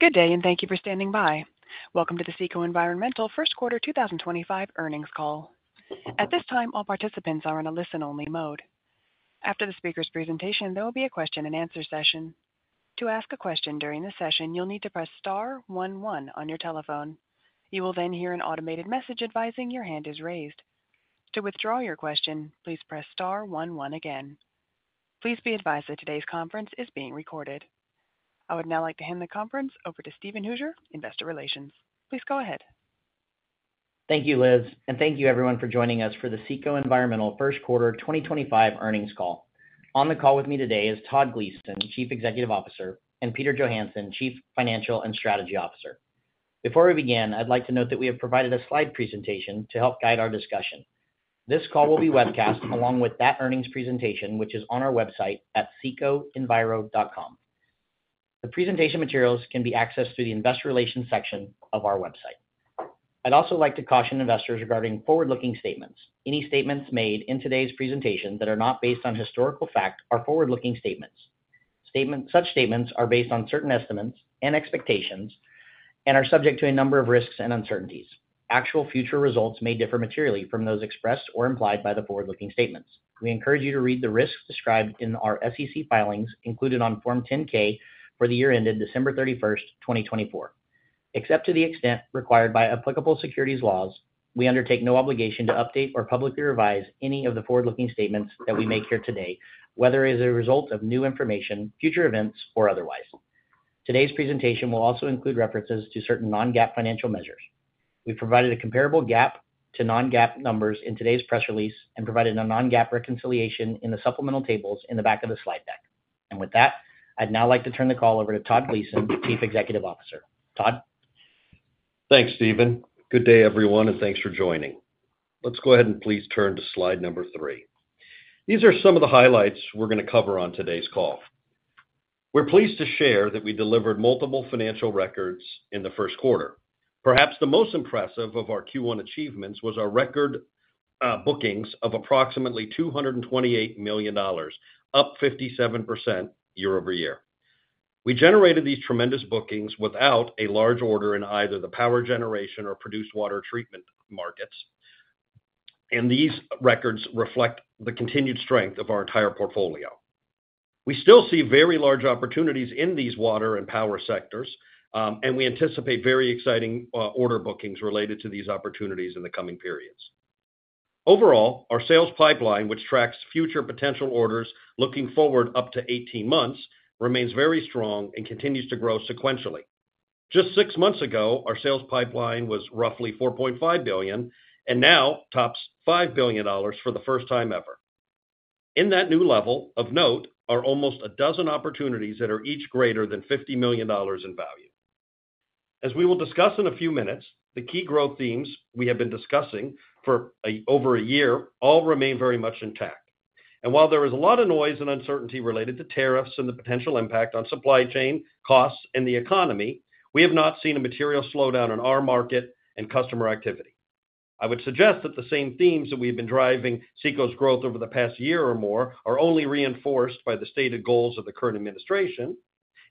Good day, and thank you for standing by. Welcome to the CECO Environmental First Quarter 2025 earnings call. At this time, all participants are in a listen-only mode. After the speaker's presentation, there will be a question-and-answer session. To ask a question during the session, you'll need to press star 11 on your telephone. You will then hear an automated message advising your hand is raised. To withdraw your question, please press star 11 again. Please be advised that today's conference is being recorded. I would now like to hand the conference over to Steven Hooser, Investor Relations. Please go ahead. Thank you, Liz, and thank you, everyone, for joining us for the CECO Environmental First Quarter 2025 earnings call. On the call with me today is Todd Gleason, Chief Executive Officer, and Peter Johansson, Chief Financial and Strategy Officer. Before we begin, I'd like to note that we have provided a slide presentation to help guide our discussion. This call will be webcast along with that earnings presentation, which is on our website at cecoenviro.com. The presentation materials can be accessed through the Investor Relations section of our website. I'd also like to caution investors regarding forward-looking statements. Any statements made in today's presentation that are not based on historical fact are forward-looking statements. Such statements are based on certain estimates and expectations and are subject to a number of risks and uncertainties. Actual future results may differ materially from those expressed or implied by the forward-looking statements. We encourage you to read the risks described in our SEC filings included on Form 10-K for the year ended December 31, 2024. Except to the extent required by applicable securities laws, we undertake no obligation to update or publicly revise any of the forward-looking statements that we make here today, whether as a result of new information, future events, or otherwise. Today's presentation will also include references to certain non-GAAP financial measures. We've provided a comparable GAAP to non-GAAP numbers in today's press release and provided a non-GAAP reconciliation in the supplemental tables in the back of the slide deck. With that, I'd now like to turn the call over to Todd Gleason, Chief Executive Officer. Todd. Thanks, Steven. Good day, everyone, and thanks for joining. Let's go ahead and please turn to slide number three. These are some of the highlights we're going to cover on today's call. We're pleased to share that we delivered multiple financial records in the first quarter. Perhaps the most impressive of our Q1 achievements was our record bookings of approximately $228 million, up 57% year over year. We generated these tremendous bookings without a large order in either the power generation or produced water treatment markets, and these records reflect the continued strength of our entire portfolio. We still see very large opportunities in these water and power sectors, and we anticipate very exciting order bookings related to these opportunities in the coming periods. Overall, our sales pipeline, which tracks future potential orders looking forward up to 18 months, remains very strong and continues to grow sequentially. Just six months ago, our sales pipeline was roughly $4.5 billion, and now tops $5 billion for the first time ever. In that new level, of note, are almost a dozen opportunities that are each greater than $50 million in value. As we will discuss in a few minutes, the key growth themes we have been discussing for over a year all remain very much intact. While there is a lot of noise and uncertainty related to tariffs and the potential impact on supply chain costs and the economy, we have not seen a material slowdown in our market and customer activity. I would suggest that the same themes that have been driving CECO's growth over the past year or more are only reinforced by the stated goals of the current administration,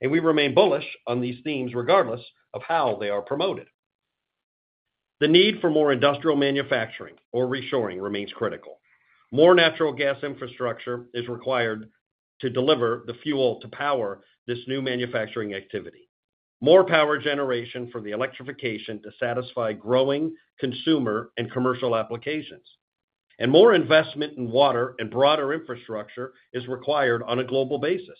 and we remain bullish on these themes regardless of how they are promoted. The need for more industrial manufacturing or reshoring remains critical. More natural gas infrastructure is required to deliver the fuel to power this new manufacturing activity. More power generation for the electrification to satisfy growing consumer and commercial applications. More investment in water and broader infrastructure is required on a global basis.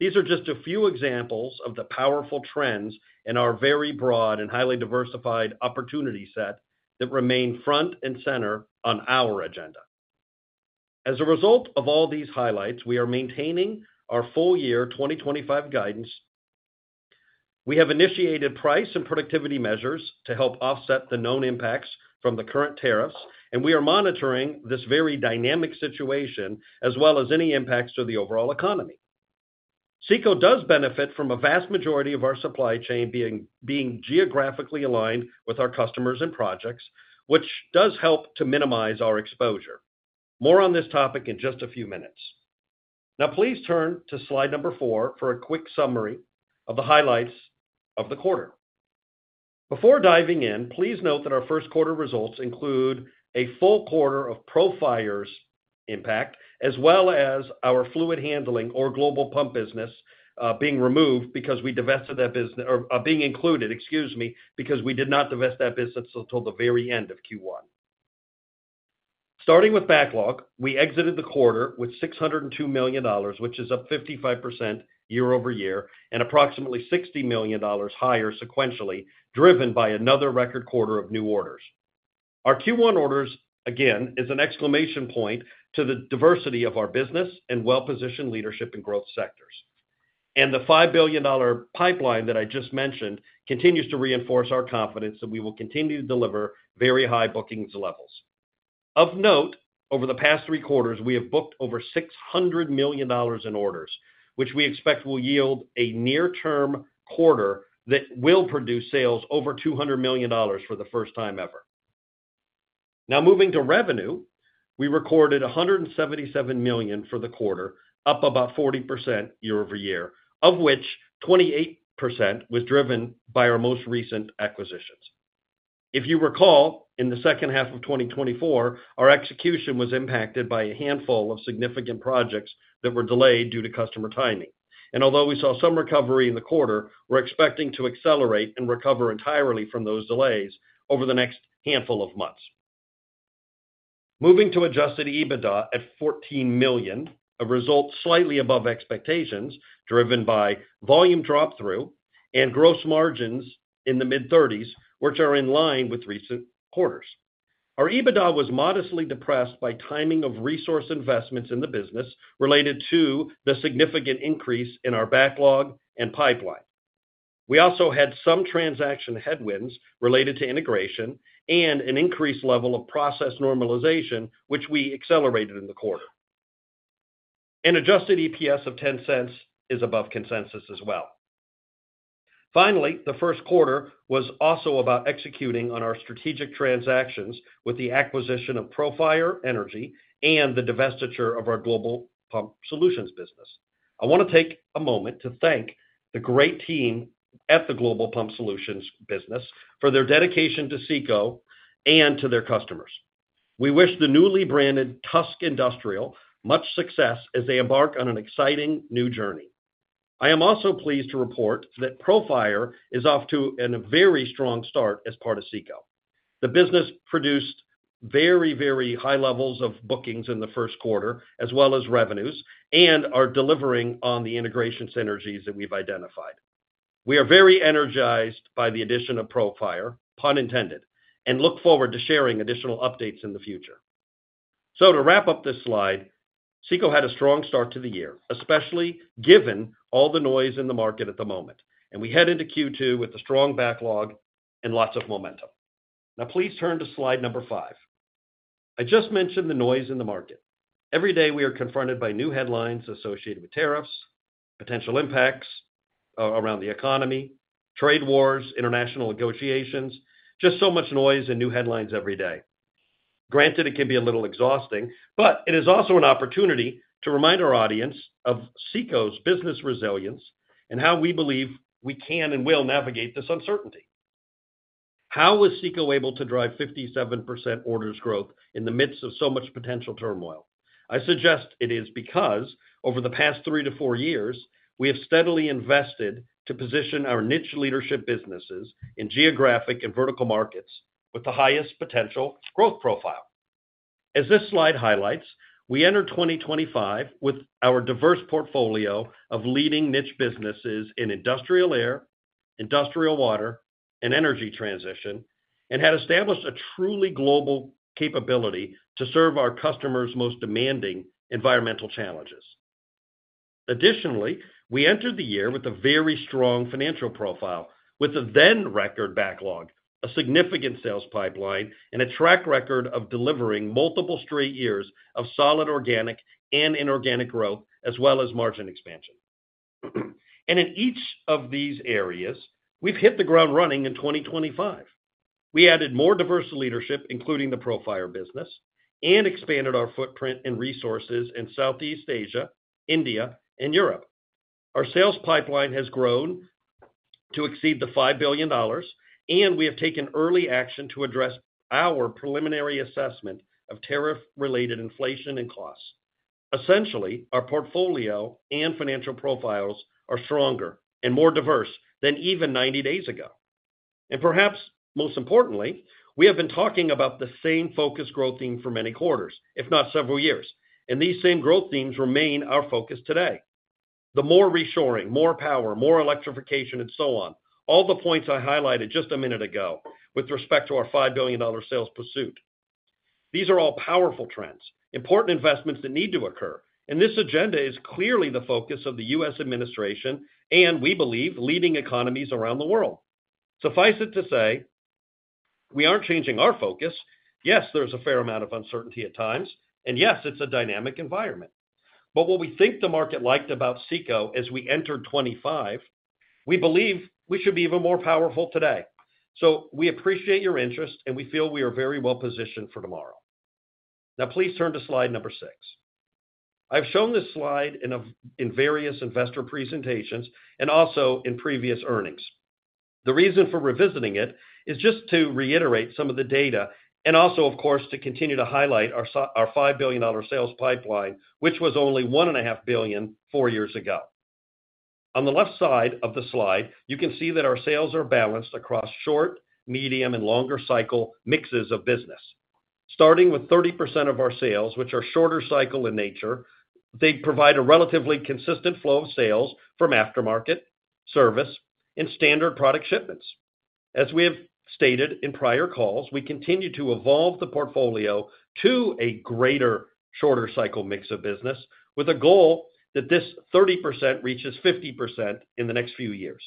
These are just a few examples of the powerful trends in our very broad and highly diversified opportunity set that remain front and center on our agenda. As a result of all these highlights, we are maintaining our full-year 2025 guidance. We have initiated price and productivity measures to help offset the known impacts from the current tariffs, and we are monitoring this very dynamic situation as well as any impacts to the overall economy. CECO does benefit from a vast majority of our supply chain being geographically aligned with our customers and projects, which does help to minimize our exposure. More on this topic in just a few minutes. Now, please turn to slide number four for a quick summary of the highlights of the quarter. Before diving in, please note that our first quarter results include a full quarter of Profire's impact, as well as our fluid handling or global pump business being removed because we divested that business or being included, excuse me, because we did not divest that business until the very end of Q1. Starting with backlog, we exited the quarter with $602 million, which is up 55% year over year and approximately $60 million higher sequentially, driven by another record quarter of new orders. Our Q1 orders, again, is an exclamation point to the diversity of our business and well-positioned leadership and growth sectors. The $5 billion pipeline that I just mentioned continues to reinforce our confidence that we will continue to deliver very high bookings levels. Of note, over the past three quarters, we have booked over $600 million in orders, which we expect will yield a near-term quarter that will produce sales over $200 million for the first time ever. Now, moving to revenue, we recorded $177 million for the quarter, up about 40% year over year, of which 28% was driven by our most recent acquisitions. If you recall, in the second half of 2024, our execution was impacted by a handful of significant projects that were delayed due to customer timing. Although we saw some recovery in the quarter, we are expecting to accelerate and recover entirely from those delays over the next handful of months. Moving to adjusted EBITDA at $14 million, a result slightly above expectations, driven by volume drop-through and gross margins in the mid-30s, which are in line with recent quarters. Our EBITDA was modestly depressed by timing of resource investments in the business related to the significant increase in our backlog and pipeline. We also had some transaction headwinds related to integration and an increased level of process normalization, which we accelerated in the quarter. An adjusted EPS of $0.10 is above consensus as well. Finally, the first quarter was also about executing on our strategic transactions with the acquisition of Profire Energy and the divestiture of our global pump solutions business. I want to take a moment to thank the great team at the global pump solutions business for their dedication to CECO and to their customers. We wish the newly branded Tusk Industrial much success as they embark on an exciting new journey. I am also pleased to report that Profire is off to a very strong start as part of CECO. The business produced very, very high levels of bookings in the first quarter, as well as revenues, and are delivering on the integration synergies that we've identified. We are very energized by the addition of Profire, pun intended, and look forward to sharing additional updates in the future. To wrap up this slide, CECO had a strong start to the year, especially given all the noise in the market at the moment. We head into Q2 with a strong backlog and lots of momentum. Now, please turn to slide number five. I just mentioned the noise in the market. Every day, we are confronted by new headlines associated with tariffs, potential impacts around the economy, trade wars, international negotiations, just so much noise and new headlines every day. Granted, it can be a little exhausting, but it is also an opportunity to remind our audience of CECO's business resilience and how we believe we can and will navigate this uncertainty. How was CECO able to drive 57% orders growth in the midst of so much potential turmoil? I suggest it is because, over the past three to four years, we have steadily invested to position our niche leadership businesses in geographic and vertical markets with the highest potential growth profile. As this slide highlights, we enter 2025 with our diverse portfolio of leading niche businesses in industrial air, industrial water, and energy transition, and had established a truly global capability to serve our customers' most demanding environmental challenges. Additionally, we entered the year with a very strong financial profile, with a then-record backlog, a significant sales pipeline, and a track record of delivering multiple straight years of solid organic and inorganic growth, as well as margin expansion. In each of these areas, we've hit the ground running in 2025. We added more diverse leadership, including the Profire business, and expanded our footprint and resources in Southeast Asia, India, and Europe. Our sales pipeline has grown to exceed the $5 billion, and we have taken early action to address our preliminary assessment of tariff-related inflation and costs. Essentially, our portfolio and financial profiles are stronger and more diverse than even 90 days ago. Perhaps most importantly, we have been talking about the same focus growth theme for many quarters, if not several years, and these same growth themes remain our focus today. The more reshoring, more power, more electrification, and so on, all the points I highlighted just a minute ago with respect to our $5 billion sales pursuit. These are all powerful trends, important investments that need to occur, and this agenda is clearly the focus of the U.S. administration and, we believe, leading economies around the world. Suffice it to say, we aren't changing our focus. Yes, there's a fair amount of uncertainty at times, and yes, it's a dynamic environment. What we think the market liked about CECO as we entered 2025, we believe we should be even more powerful today. We appreciate your interest, and we feel we are very well positioned for tomorrow. Please turn to slide number six. I have shown this slide in various investor presentations and also in previous earnings. The reason for revisiting it is just to reiterate some of the data and also, of course, to continue to highlight our $5 billion sales pipeline, which was only $1.5 billion four years ago. On the left side of the slide, you can see that our sales are balanced across short, medium, and longer cycle mixes of business. Starting with 30% of our sales, which are shorter cycle in nature, they provide a relatively consistent flow of sales from aftermarket, service, and standard product shipments. As we have stated in prior calls, we continue to evolve the portfolio to a greater shorter cycle mix of business with a goal that this 30% reaches 50% in the next few years.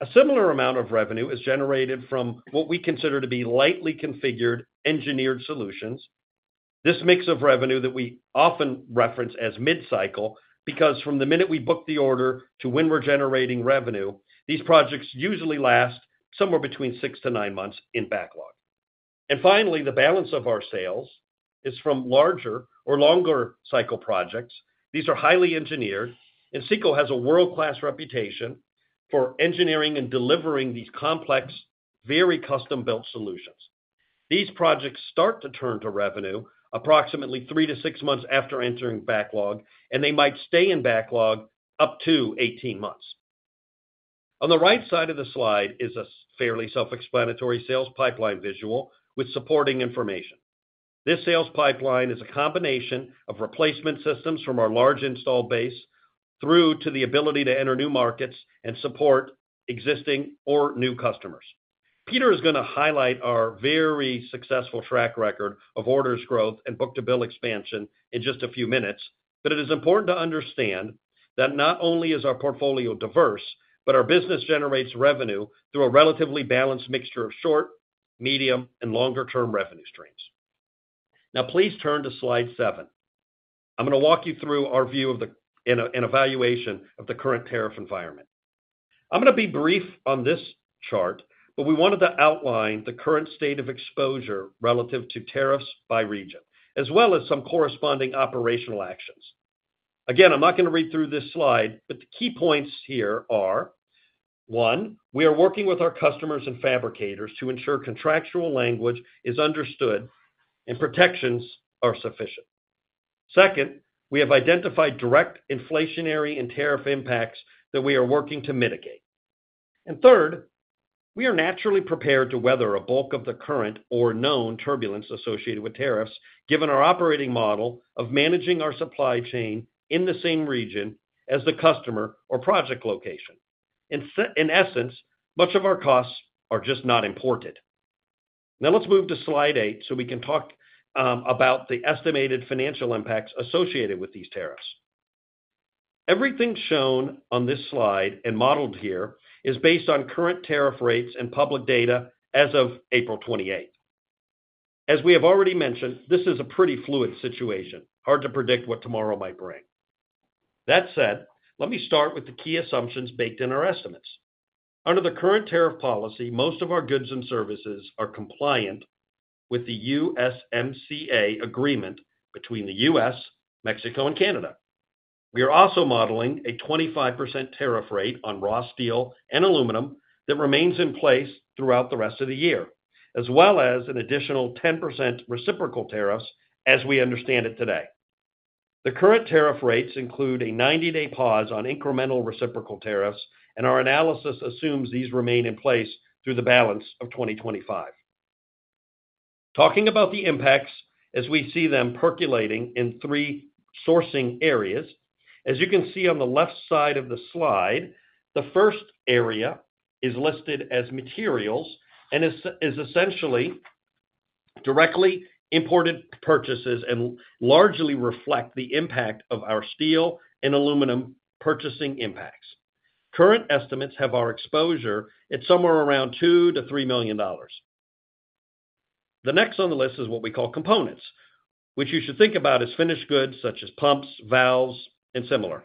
A similar amount of revenue is generated from what we consider to be lightly configured engineered solutions. This mix of revenue that we often reference as mid-cycle because from the minute we book the order to when we're generating revenue, these projects usually last somewhere between six to nine months in backlog. Finally, the balance of our sales is from larger or longer cycle projects. These are highly engineered, and CECO has a world-class reputation for engineering and delivering these complex, very custom-built solutions. These projects start to turn to revenue approximately three to six months after entering backlog, and they might stay in backlog up to 18 months. On the right side of the slide is a fairly self-explanatory sales pipeline visual with supporting information. This sales pipeline is a combination of replacement systems from our large install base through to the ability to enter new markets and support existing or new customers. Peter is going to highlight our very successful track record of orders growth and book-to-bill expansion in just a few minutes, but it is important to understand that not only is our portfolio diverse, but our business generates revenue through a relatively balanced mixture of short, medium, and longer-term revenue streams. Now, please turn to slide seven. I'm going to walk you through our view and evaluation of the current tariff environment. I'm going to be brief on this chart, but we wanted to outline the current state of exposure relative to tariffs by region, as well as some corresponding operational actions. Again, I'm not going to read through this slide, but the key points here are: one, we are working with our customers and fabricators to ensure contractual language is understood and protections are sufficient. Second, we have identified direct inflationary and tariff impacts that we are working to mitigate. Third, we are naturally prepared to weather a bulk of the current or known turbulence associated with tariffs, given our operating model of managing our supply chain in the same region as the customer or project location. In essence, much of our costs are just not imported. Now, let's move to slide eight so we can talk about the estimated financial impacts associated with these tariffs. Everything shown on this slide and modeled here is based on current tariff rates and public data as of April 28. As we have already mentioned, this is a pretty fluid situation, hard to predict what tomorrow might bring. That said, let me start with the key assumptions baked in our estimates. Under the current tariff policy, most of our goods and services are compliant with the USMCA agreement between the U.S., Mexico, and Canada. We are also modeling a 25% tariff rate on raw steel and aluminum that remains in place throughout the rest of the year, as well as an additional 10% reciprocal tariffs as we understand it today. The current tariff rates include a 90-day pause on incremental reciprocal tariffs, and our analysis assumes these remain in place through the balance of 2025. Talking about the impacts as we see them percolating in three sourcing areas. As you can see on the left side of the slide, the first area is listed as materials and is essentially directly imported purchases and largely reflect the impact of our steel and aluminum purchasing impacts. Current estimates have our exposure at somewhere around $2-$3 million. The next on the list is what we call components, which you should think about as finished goods such as pumps, valves, and similar.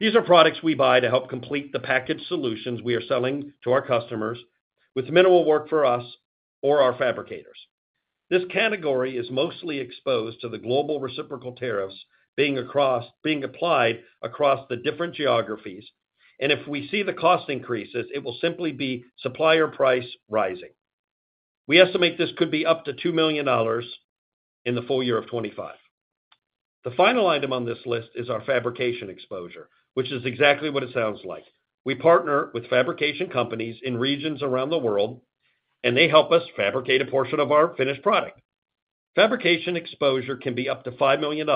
These are products we buy to help complete the packaged solutions we are selling to our customers with minimal work for us or our fabricators. This category is mostly exposed to the global reciprocal tariffs being applied across the different geographies, and if we see the cost increases, it will simply be supplier price rising. We estimate this could be up to $2 million in the full year of 2025. The final item on this list is our fabrication exposure, which is exactly what it sounds like. We partner with fabrication companies in regions around the world, and they help us fabricate a portion of our finished product. Fabrication exposure can be up to $5 million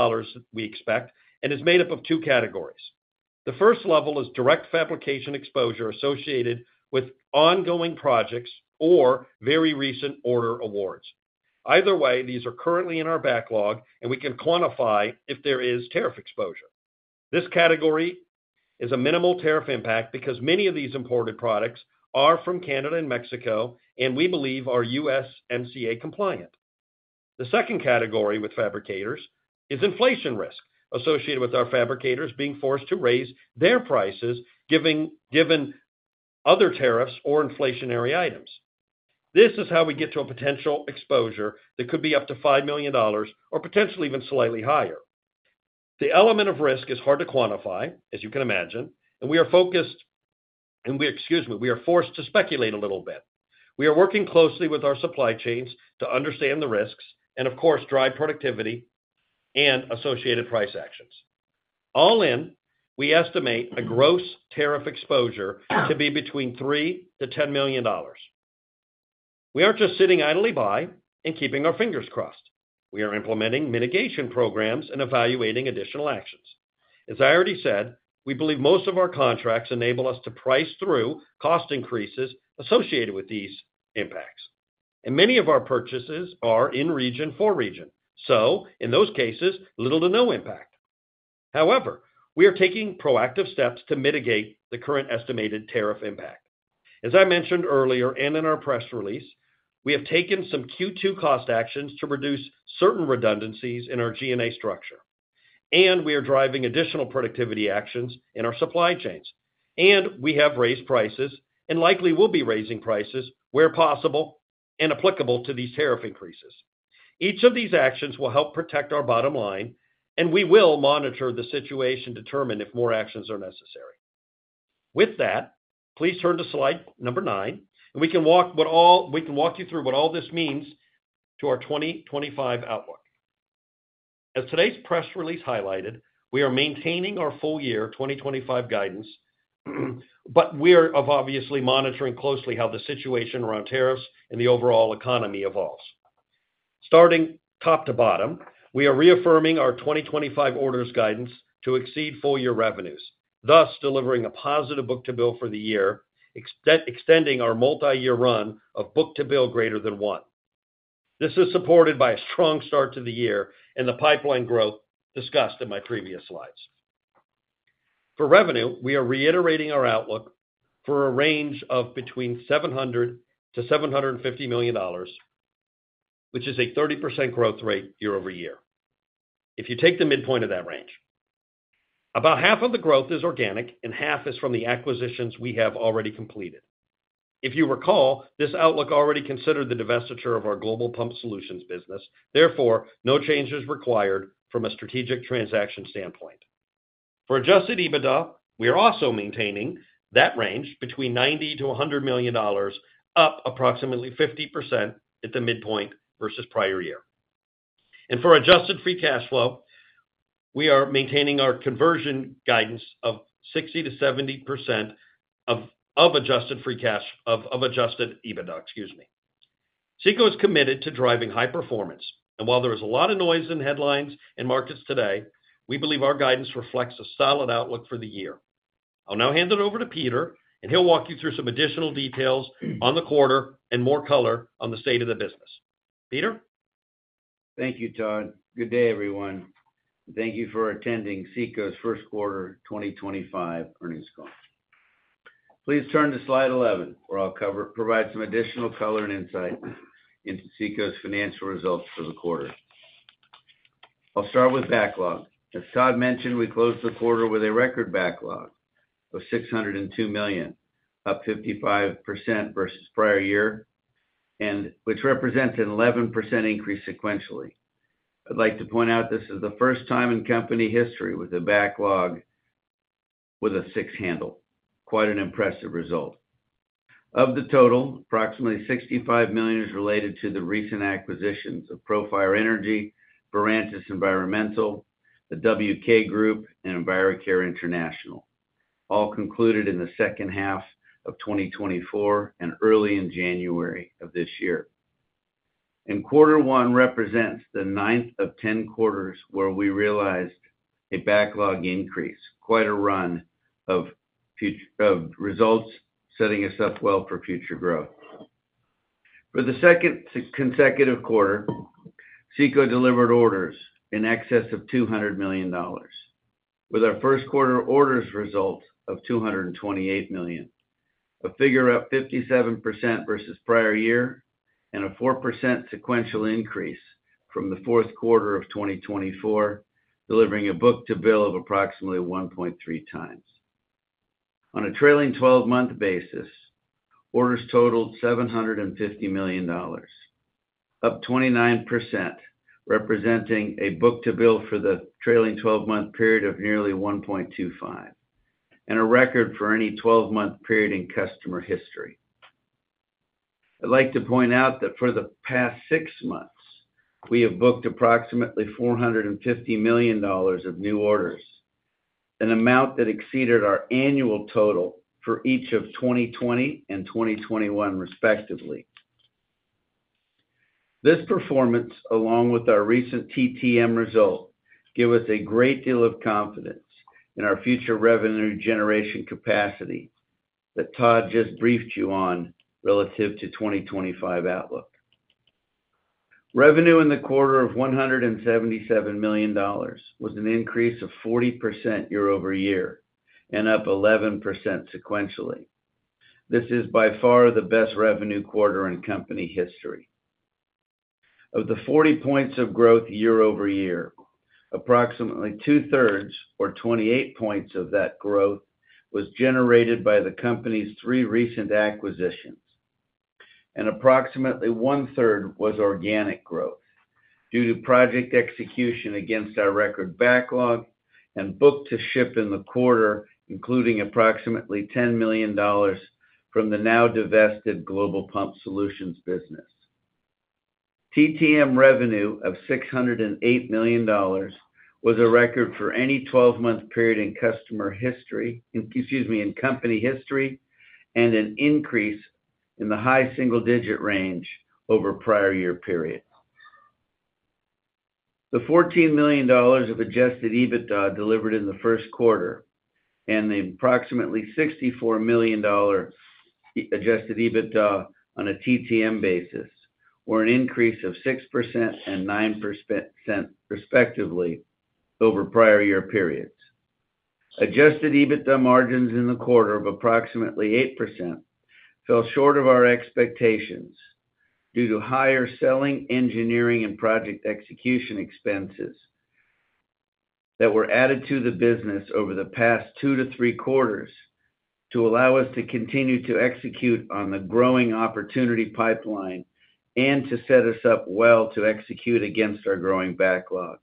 we expect and is made up of two categories. The first level is direct fabrication exposure associated with ongoing projects or very recent order awards. Either way, these are currently in our backlog, and we can quantify if there is tariff exposure. This category is a minimal tariff impact because many of these imported products are from Canada and Mexico, and we believe are USMCA compliant. The second category with fabricators is inflation risk associated with our fabricators being forced to raise their prices given other tariffs or inflationary items. This is how we get to a potential exposure that could be up to $5 million or potentially even slightly higher. The element of risk is hard to quantify, as you can imagine, and we are focused—we are forced to speculate a little bit. We are working closely with our supply chains to understand the risks and, of course, drive productivity and associated price actions. All in, we estimate a gross tariff exposure to be between $3 million and $10 million. We are not just sitting idly by and keeping our fingers crossed. We are implementing mitigation programs and evaluating additional actions. As I already said, we believe most of our contracts enable us to price through cost increases associated with these impacts. Many of our purchases are in region for region, so in those cases, little to no impact. However, we are taking proactive steps to mitigate the current estimated tariff impact. As I mentioned earlier and in our press release, we have taken some Q2 cost actions to reduce certain redundancies in our G&A structure. We are driving additional productivity actions in our supply chains. We have raised prices and likely will be raising prices where possible and applicable to these tariff increases. Each of these actions will help protect our bottom line, and we will monitor the situation to determine if more actions are necessary. With that, please turn to slide number nine, and we can walk you through what all this means to our 2025 outlook. As today's press release highlighted, we are maintaining our full year 2025 guidance, but we are obviously monitoring closely how the situation around tariffs and the overall economy evolves. Starting top to bottom, we are reaffirming our 2025 orders guidance to exceed full year revenues, thus delivering a positive book-to-bill for the year, extending our multi-year run of book-to-bill greater than one. This is supported by a strong start to the year and the pipeline growth discussed in my previous slides. For revenue, we are reiterating our outlook for a range of between $700-$750 million, which is a 30% growth rate year over year. If you take the midpoint of that range, about half of the growth is organic, and half is from the acquisitions we have already completed. If you recall, this outlook already considered the divestiture of our global pump solutions business, therefore, no changes required from a strategic transaction standpoint. For adjusted EBITDA, we are also maintaining that range between $90-$100 million, up approximately 50% at the midpoint versus prior year. For adjusted free cash flow, we are maintaining our conversion guidance of 60-70% of adjusted EBITDA, excuse me. CECO is committed to driving high performance, and while there is a lot of noise in headlines and markets today, we believe our guidance reflects a solid outlook for the year. I'll now hand it over to Peter, and he'll walk you through some additional details on the quarter and more color on the state of the business. Peter? Thank you, Todd. Good day, everyone. Thank you for attending CECO's first quarter 2025 earnings call. Please turn to slide 11, where I'll provide some additional color and insight into CECO's financial results for the quarter. I'll start with backlog. As Todd mentioned, we closed the quarter with a record backlog of $602 million, up 55% versus prior year, which represents an 11% increase sequentially. I'd like to point out this is the first time in company history with a backlog with a six handle, quite an impressive result. Of the total, approximately $65 million is related to the recent acquisitions of Profire Energy, Verantis Environmental, the WK Group, and EnviroCare International, all concluded in the second half of 2024 and early in January of this year. Quarter one represents the ninth of ten quarters where we realized a backlog increase, quite a run of results setting us up well for future growth. For the second consecutive quarter, CECO delivered orders in excess of $200 million, with our first quarter orders result of $228 million, a figure up 57% versus prior year, and a 4% sequential increase from the fourth quarter of 2024, delivering a book-to-bill of approximately 1.3 times. On a trailing 12-month basis, orders totaled $750 million, up 29%, representing a book-to-bill for the trailing 12-month period of nearly 1.25, and a record for any 12-month period in company history. I'd like to point out that for the past six months, we have booked approximately $450 million of new orders, an amount that exceeded our annual total for each of 2020 and 2021, respectively. This performance, along with our recent TTM result, gives us a great deal of confidence in our future revenue generation capacity that Todd just briefed you on relative to 2025 outlook. Revenue in the quarter of $177 million was an increase of 40% year over year and up 11% sequentially. This is by far the best revenue quarter in company history. Of the 40 points of growth year over year, approximately two-thirds or 28 points of that growth was generated by the company's three recent acquisitions, and approximately one-third was organic growth due to project execution against our record backlog and book-to-ship in the quarter, including approximately $10 million from the now divested global pump solutions business. TTM revenue of $608 million was a record for any 12-month period in company history—excuse me—in company history and an increase in the high single-digit range over prior year period. The $14 million of adjusted EBITDA delivered in the first quarter and the approximately $64 million adjusted EBITDA on a TTM basis were an increase of 6% and 9% respectively over prior year periods. Adjusted EBITDA margins in the quarter of approximately 8% fell short of our expectations due to higher selling, engineering, and project execution expenses that were added to the business over the past two to three quarters to allow us to continue to execute on the growing opportunity pipeline and to set us up well to execute against our growing backlog.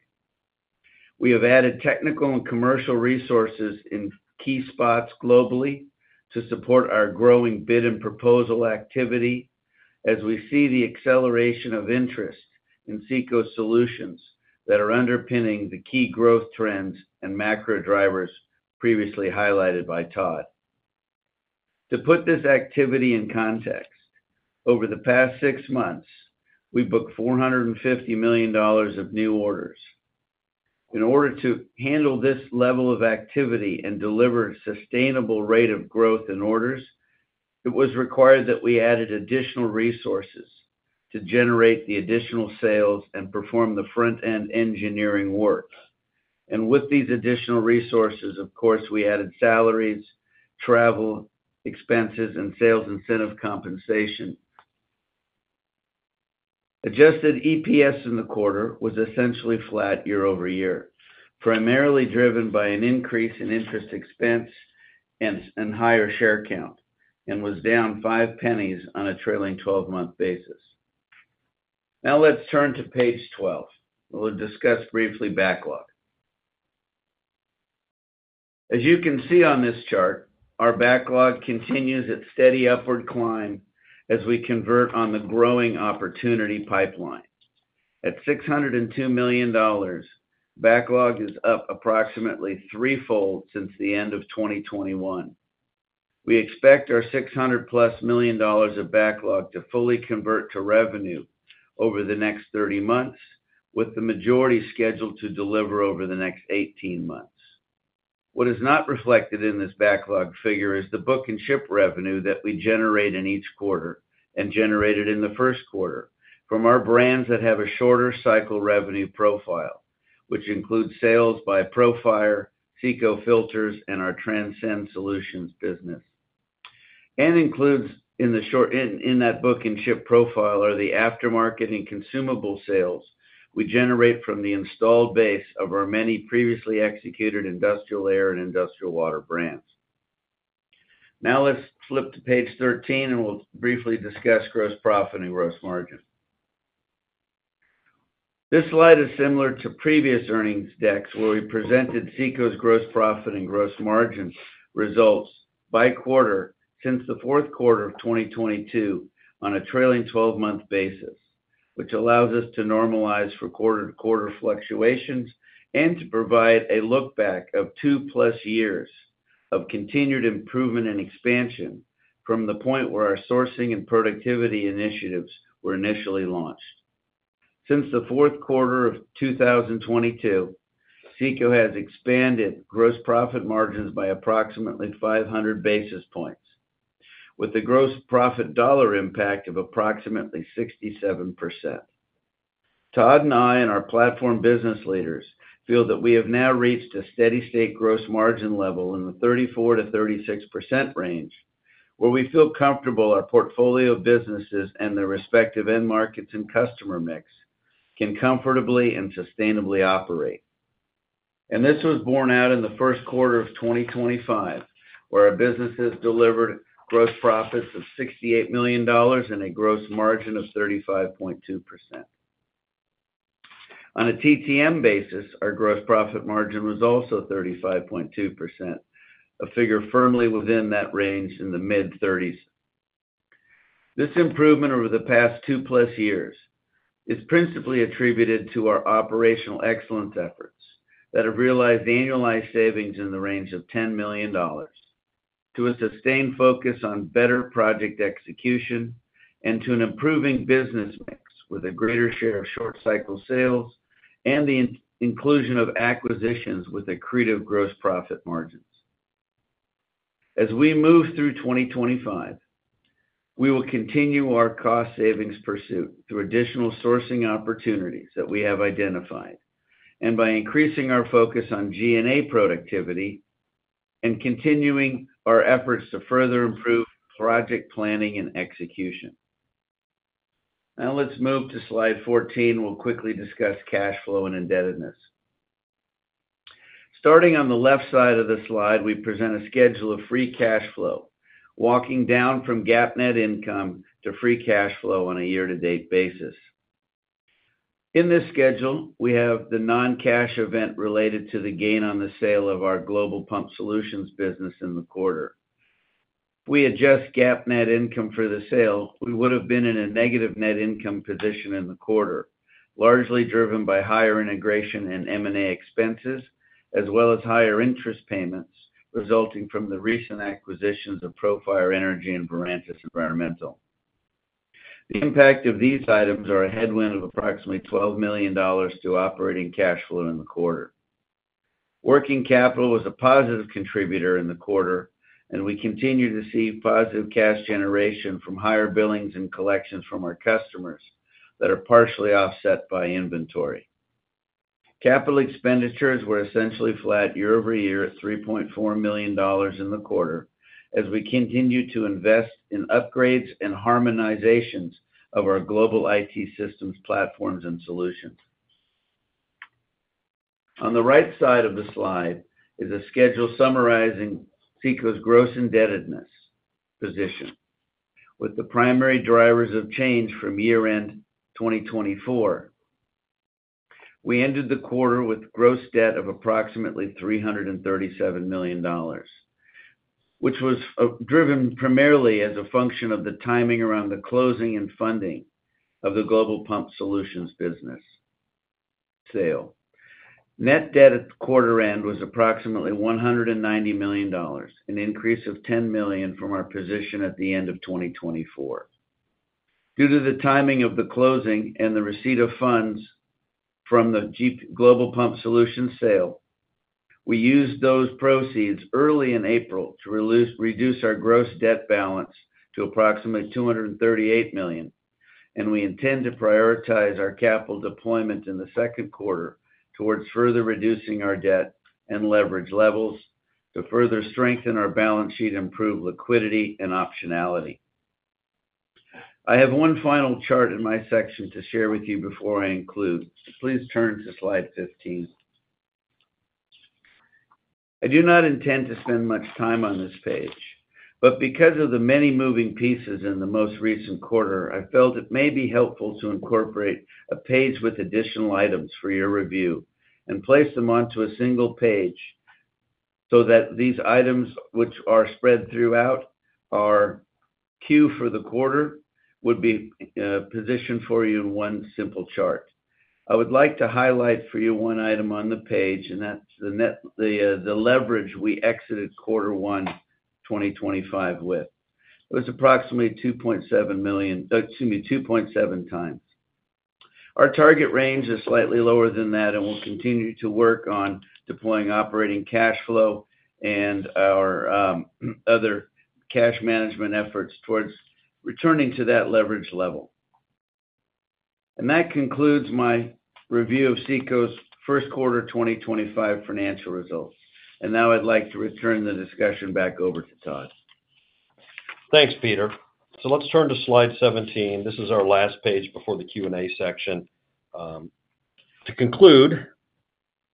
We have added technical and commercial resources in key spots globally to support our growing bid and proposal activity as we see the acceleration of interest in CECO solutions that are underpinning the key growth trends and macro drivers previously highlighted by Todd. To put this activity in context, over the past six months, we booked $450 million of new orders. In order to handle this level of activity and deliver a sustainable rate of growth in orders, it was required that we added additional resources to generate the additional sales and perform the front-end engineering work. With these additional resources, of course, we added salaries, travel expenses, and sales incentive compensation. Adjusted EPS in the quarter was essentially flat year over year, primarily driven by an increase in interest expense and higher share count, and was down five pennies on a trailing 12-month basis. Now let's turn to page 12. We will discuss briefly backlog. As you can see on this chart, our backlog continues its steady upward climb as we convert on the growing opportunity pipeline. At $602 million, backlog is up approximately threefold since the end of 2021. We expect our $600-plus million of backlog to fully convert to revenue over the next 30 months, with the majority scheduled to deliver over the next 18 months. What is not reflected in this backlog figure is the book-and-ship revenue that we generate in each quarter and generated in the first quarter from our brands that have a shorter cycle revenue profile, which includes sales by Profire, CECO Filters, and our Transcend Solutions business. Included in that book-and-ship profile are the aftermarket and consumable sales we generate from the installed base of our many previously executed industrial air and industrial water brands. Now let's flip to page 13, and we'll briefly discuss gross profit and gross margin. This slide is similar to previous earnings decks where we presented CECO's gross profit and gross margin results by quarter since the fourth quarter of 2022 on a trailing 12-month basis, which allows us to normalize for quarter-to-quarter fluctuations and to provide a look back of two-plus years of continued improvement and expansion from the point where our sourcing and productivity initiatives were initially launched. Since the fourth quarter of 2022, CECO has expanded gross profit margins by approximately 500 basis points, with the gross profit dollar impact of approximately 67%. Todd and I and our platform business leaders feel that we have now reached a steady-state gross margin level in the 34-36% range, where we feel comfortable our portfolio of businesses and their respective end markets and customer mix can comfortably and sustainably operate. This was borne out in the first quarter of 2025, where our businesses delivered gross profits of $68 million and a gross margin of 35.2%. On a TTM basis, our gross profit margin was also 35.2%, a figure firmly within that range in the mid-30s. This improvement over the past two-plus years is principally attributed to our operational excellence efforts that have realized annualized savings in the range of $10 million, to a sustained focus on better project execution, and to an improving business mix with a greater share of short-cycle sales and the inclusion of acquisitions with accretive gross profit margins. As we move through 2025, we will continue our cost savings pursuit through additional sourcing opportunities that we have identified and by increasing our focus on G&A productivity and continuing our efforts to further improve project planning and execution. Now let's move to slide 14. We'll quickly discuss cash flow and indebtedness. Starting on the left side of the slide, we present a schedule of free cash flow walking down from GAAP net income to free cash flow on a year-to-date basis. In this schedule, we have the non-cash event related to the gain on the sale of our global pump solutions business in the quarter. If we adjust GAAP net income for the sale, we would have been in a negative net income position in the quarter, largely driven by higher integration and M&A expenses, as well as higher interest payments resulting from the recent acquisitions of Profire Energy and Verantis Environmental. The impact of these items is a headwind of approximately $12 million to operating cash flow in the quarter. Working capital was a positive contributor in the quarter, and we continue to see positive cash generation from higher billings and collections from our customers that are partially offset by inventory. Capital expenditures were essentially flat year over year at $3.4 million in the quarter as we continue to invest in upgrades and harmonizations of our global IT systems, platforms, and solutions. On the right side of the slide is a schedule summarizing CECO's gross indebtedness position with the primary drivers of change from year-end 2024. We ended the quarter with gross debt of approximately $337 million, which was driven primarily as a function of the timing around the closing and funding of the global pump solutions business sale. Net debt at the quarter end was approximately $190 million, an increase of $10 million from our position at the end of 2024. Due to the timing of the closing and the receipt of funds from the global pump solution sale, we used those proceeds early in April to reduce our gross debt balance to approximately $238 million, and we intend to prioritize our capital deployment in the second quarter towards further reducing our debt and leverage levels to further strengthen our balance sheet and improve liquidity and optionality. I have one final chart in my section to share with you before I conclude. Please turn to slide 15. I do not intend to spend much time on this page, but because of the many moving pieces in the most recent quarter, I felt it may be helpful to incorporate a page with additional items for your review and place them onto a single page so that these items, which are spread throughout our queue for the quarter, would be positioned for you in one simple chart. I would like to highlight for you one item on the page, and that's the leverage we exited quarter one 2025 with. It was approximately 2.7 million, excuse me 2.7 times. Our target range is slightly lower than that, and we will continue to work on deploying operating cash flow and our other cash management efforts towards returning to that leverage level. That concludes my review of CECO's first quarter 2025 financial results. I'd like to return the discussion back over to Todd. Thanks, Peter. Let's turn to slide 17. This is our last page before the Q&A section. To conclude, as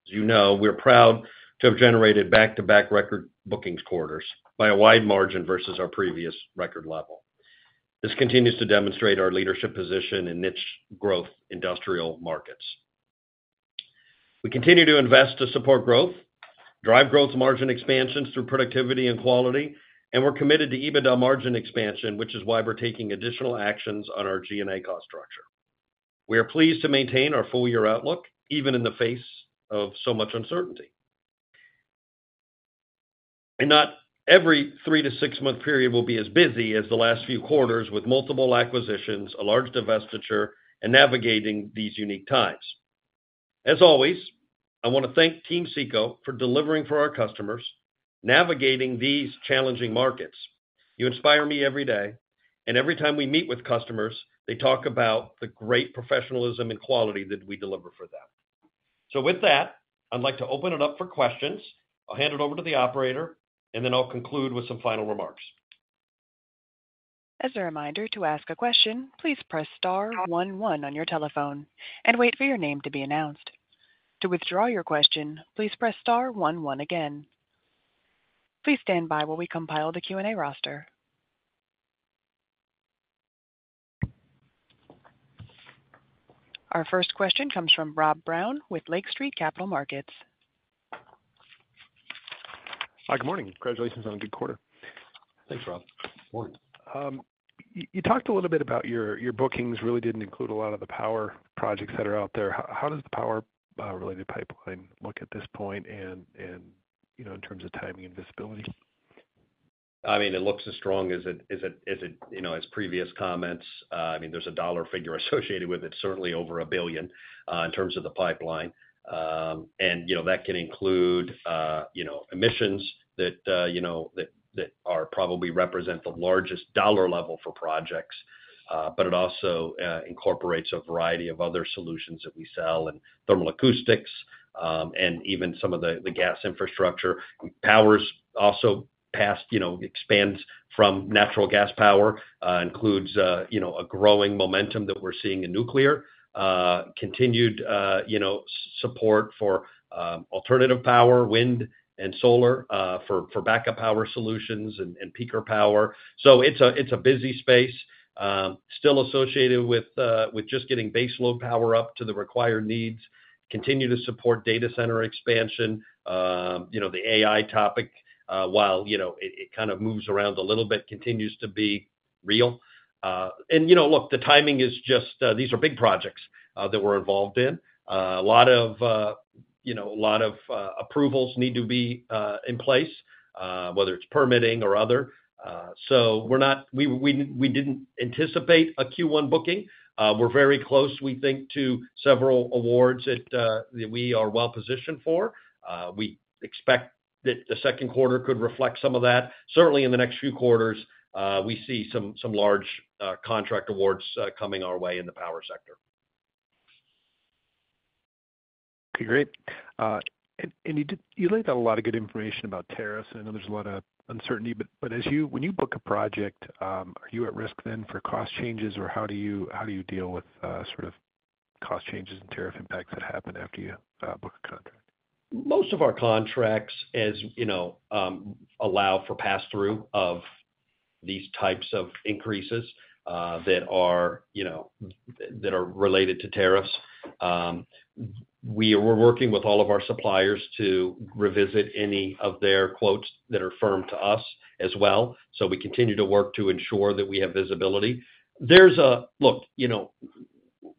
you know, we're proud to have generated back-to-back record bookings quarters by a wide margin versus our previous record level. This continues to demonstrate our leadership position in niche growth industrial markets. We continue to invest to support growth, drive gross margin expansions through productivity and quality, and we're committed to EBITDA margin expansion, which is why we're taking additional actions on our G&A cost structure. We are pleased to maintain our full-year outlook even in the face of so much uncertainty. Not every three-to-six-month period will be as busy as the last few quarters with multiple acquisitions, a large divestiture, and navigating these unique times. As always, I want to thank Team CECO for delivering for our customers, navigating these challenging markets. You inspire me every day, and every time we meet with customers, they talk about the great professionalism and quality that we deliver for them. With that, I'd like to open it up for questions. I'll hand it over to the operator, and then I'll conclude with some final remarks. As a reminder, to ask a question, please press star one, one on your telephone and wait for your name to be announced. To withdraw your question, please press star one, one again. Please stand by while we compile the Q&A roster. Our first question comes from Rob Brown with Lake Street Capital Markets. Hi, good morning. Congratulations on a good quarter. Thanks, Rob. Morning. You talked a little bit about your bookings really didn't include a lot of the power projects that are out there. How does the power-related pipeline look at this point and in terms of timing and visibility? I mean, it looks as strong as it, as previous comments. I mean, there's a dollar figure associated with it, certainly over $1 billion in terms of the pipeline. And that can include emissions that are probably represent the largest dollar level for projects, but it also incorporates a variety of other solutions that we sell and thermal acoustics and even some of the gas infrastructure. Powers also expands from natural gas power, includes a growing momentum that we're seeing in nuclear, continued support for alternative power, wind, and solar for backup power solutions and peaker power. It is a busy space, still associated with just getting base load power up to the required needs, continue to support data center expansion. The AI topic, while it kind of moves around a little bit, continues to be real. Look, the timing is just these are big projects that we're involved in. A lot of approvals need to be in place, whether it's permitting or other. We didn't anticipate a Q1 booking. We're very close, we think, to several awards that we are well positioned for. We expect that the second quarter could reflect some of that. Certainly, in the next few quarters, we see some large contract awards coming our way in the power sector. Okay, great. You laid out a lot of good information about tariffs. I know there's a lot of uncertainty, but when you book a project, are you at risk then for cost changes, or how do you deal with sort of cost changes and tariff impacts that happen after you book a contract? Most of our contracts allow for pass-through of these types of increases that are related to tariffs. We're working with all of our suppliers to revisit any of their quotes that are firm to us as well. We continue to work to ensure that we have visibility. Look,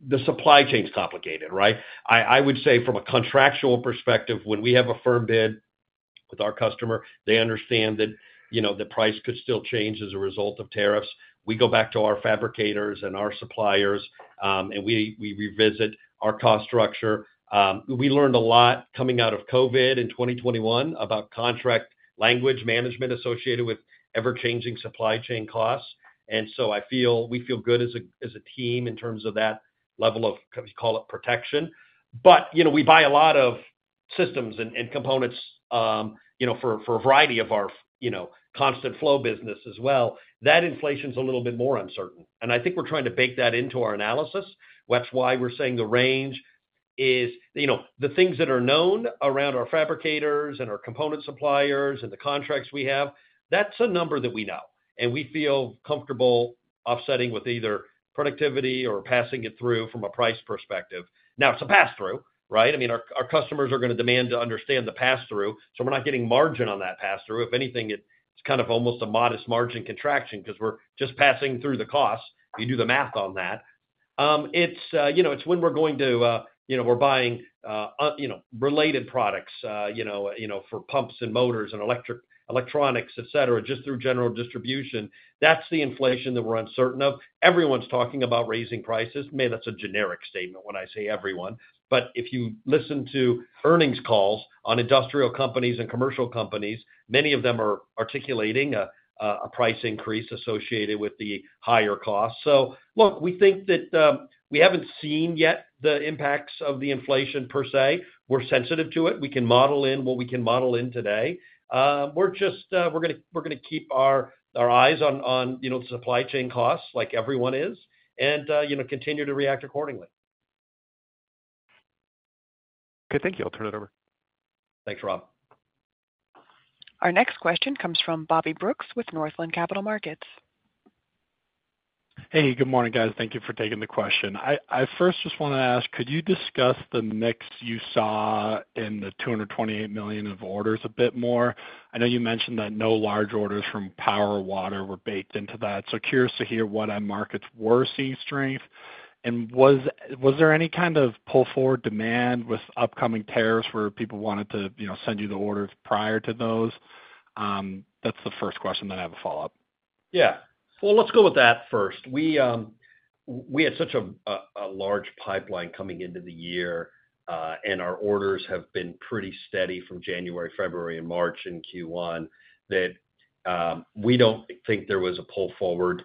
the supply chain is complicated, right? I would say from a contractual perspective, when we have a firm bid with our customer, they understand that the price could still change as a result of tariffs. We go back to our fabricators and our suppliers, and we revisit our cost structure. We learned a lot coming out of COVID in 2021 about contract language management associated with ever-changing supply chain costs. We feel good as a team in terms of that level of, we call it protection. We buy a lot of systems and components for a variety of our constant flow business as well. That inflation is a little bit more uncertain. I think we're trying to bake that into our analysis. That's why we're saying the range is the things that are known around our fabricators and our component suppliers and the contracts we have, that's a number that we know. We feel comfortable offsetting with either productivity or passing it through from a price perspective. Now, it's a pass-through, right? I mean, our customers are going to demand to understand the pass-through, so we're not getting margin on that pass-through. If anything, it's kind of almost a modest margin contraction because we're just passing through the costs. You do the math on that. It's when we're going to we're buying related products for pumps and motors and electronics, etc., just through general distribution. That's the inflation that we're uncertain of. I mean, that's a generic statement when I say everyone. If you listen to earnings calls on industrial companies and commercial companies, many of them are articulating a price increase associated with the higher costs. Look, we think that we haven't seen yet the impacts of the inflation per se. We're sensitive to it. We can model in what we can model in today. We're going to keep our eyes on supply chain costs like everyone is and continue to react accordingly. Okay, thank you. I'll turn it over. Thanks, Rob. Our next question comes from Bobby Brooks with Northland Capital Markets. Hey, good morning, guys. Thank you for taking the question. I first just want to ask, could you discuss the mix you saw in the $228 million of orders a bit more? I know you mentioned that no large orders from power or water were baked into that. Curious to hear what our markets were seeing strength. Was there any kind of pull-forward demand with upcoming tariffs where people wanted to send you the orders prior to those? That's the first question. I have a follow-up. Yeah. Let's go with that first. We had such a large pipeline coming into the year, and our orders have been pretty steady from January, February, and March in Q1 that we do not think there was a pull-forward.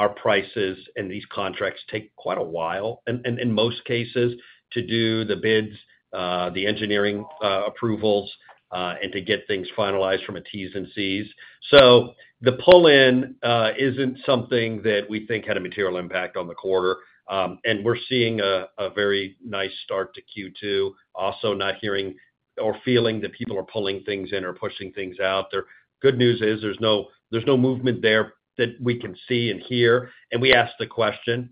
Our prices and these contracts take quite a while in most cases to do the bids, the engineering approvals, and to get things finalized from a T's and C's. The pull-in is not something that we think had a material impact on the quarter. We are seeing a very nice start to Q2. Also, not hearing or feeling that people are pulling things in or pushing things out. The good news is there is no movement there that we can see and hear. We asked the question.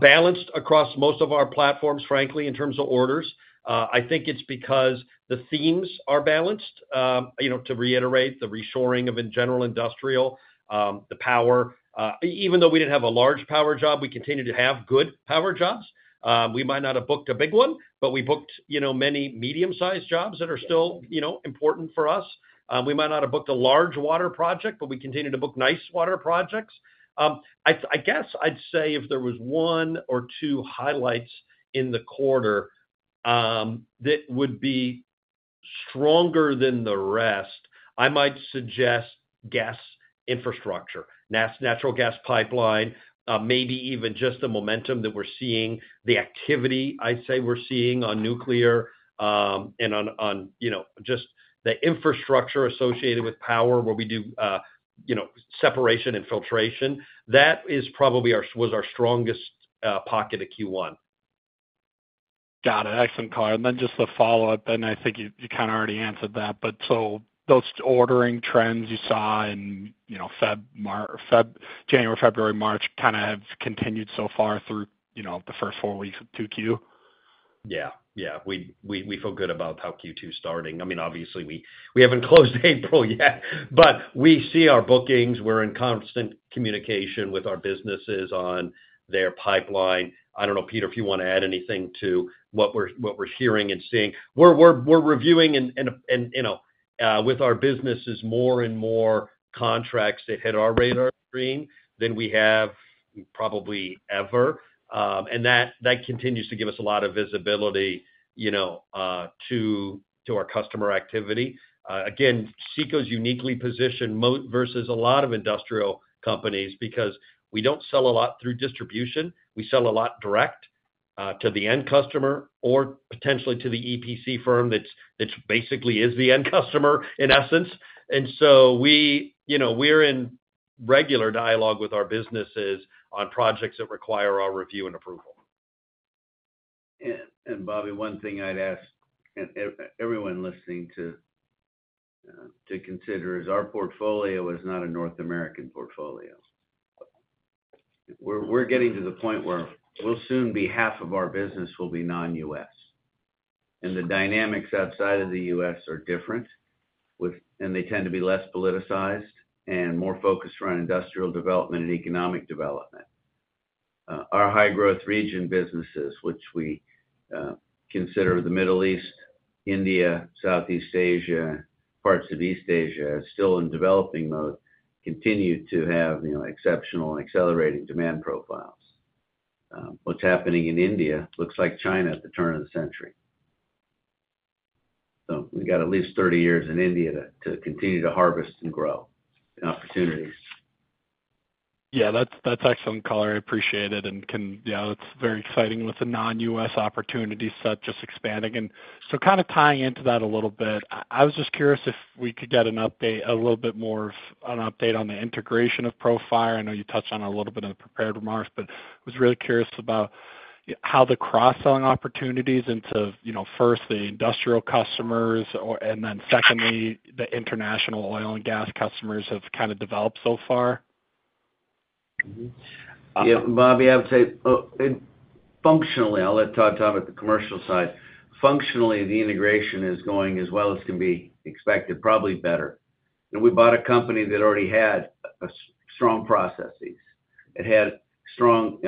Balanced across most of our platforms, frankly, in terms of orders, I think it is because the themes are balanced. To reiterate the reshoring of, in general, industrial, the power. Even though we didn't have a large power job, we continue to have good power jobs. We might not have booked a big one, but we booked many medium-sized jobs that are still important for us. We might not have booked a large water project, but we continue to book nice water projects. I guess I'd say if there was one or two highlights in the quarter that would be stronger than the rest, I might suggest gas infrastructure, natural gas pipeline, maybe even just the momentum that we're seeing, the activity, I'd say, we're seeing on nuclear and on just the infrastructure associated with power where we do separation and filtration. That is probably was our strongest pocket of Q1. Got it. Excellent, Call. Just the follow-up, I think you kind of already answered that, but those ordering trends you saw in January, February, March have continued so far through the first four weeks of Q2? Yeah. Yeah. We feel good about how Q2 is starting. I mean, obviously, we haven't closed April yet, but we see our bookings. We're in constant communication with our businesses on their pipeline. I don't know, Peter, if you want to add anything to what we're hearing and seeing. We're reviewing with our businesses more and more contracts that hit our radar screen than we have probably ever. That continues to give us a lot of visibility to our customer activity. Again, CECO is uniquely positioned versus a lot of industrial companies because we don't sell a lot through distribution. We sell a lot direct to the end customer or potentially to the EPC firm that basically is the end customer in essence. We are in regular dialogue with our businesses on projects that require our review and approval. Bobby, one thing I'd ask everyone listening to consider is our portfolio is not a North American portfolio. We're getting to the point where soon half of our business will be non-U.S. The dynamics outside of the U.S. are different, and they tend to be less politicized and more focused around industrial development and economic development. Our high-growth region businesses, which we consider the Middle East, India, Southeast Asia, parts of East Asia, still in developing mode, continue to have exceptional and accelerating demand profiles. What's happening in India looks like China at the turn of the century. We have at least 30 years in India to continue to harvest and grow opportunities. Yeah, that's excellent, Call. I appreciate it. That's very exciting with the non-U.S. opportunities just expanding. Kind of tying into that a little bit, I was just curious if we could get a little bit more of an update on the integration of Profire. I know you touched on it a little bit in the prepared remarks, but I was really curious about how the cross-selling opportunities into first the industrial customers and then secondly, the international oil and gas customers have kind of developed so far. Yeah, Bobby, I would say functionally, I'll let Todd talk about the commercial side. Functionally, the integration is going as well as can be expected, probably better. We bought a company that already had strong processes. It had strong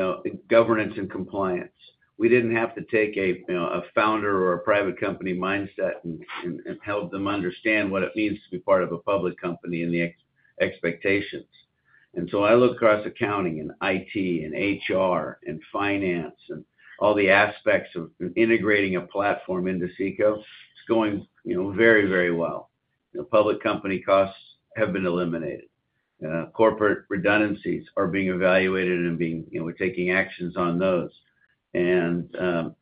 governance and compliance. We did not have to take a founder or a private company mindset and help them understand what it means to be part of a public company and the expectations. I look across accounting and IT and HR and finance and all the aspects of integrating a platform into CECO. It is going very, very well. Public company costs have been eliminated. Corporate redundancies are being evaluated and we are taking actions on those. The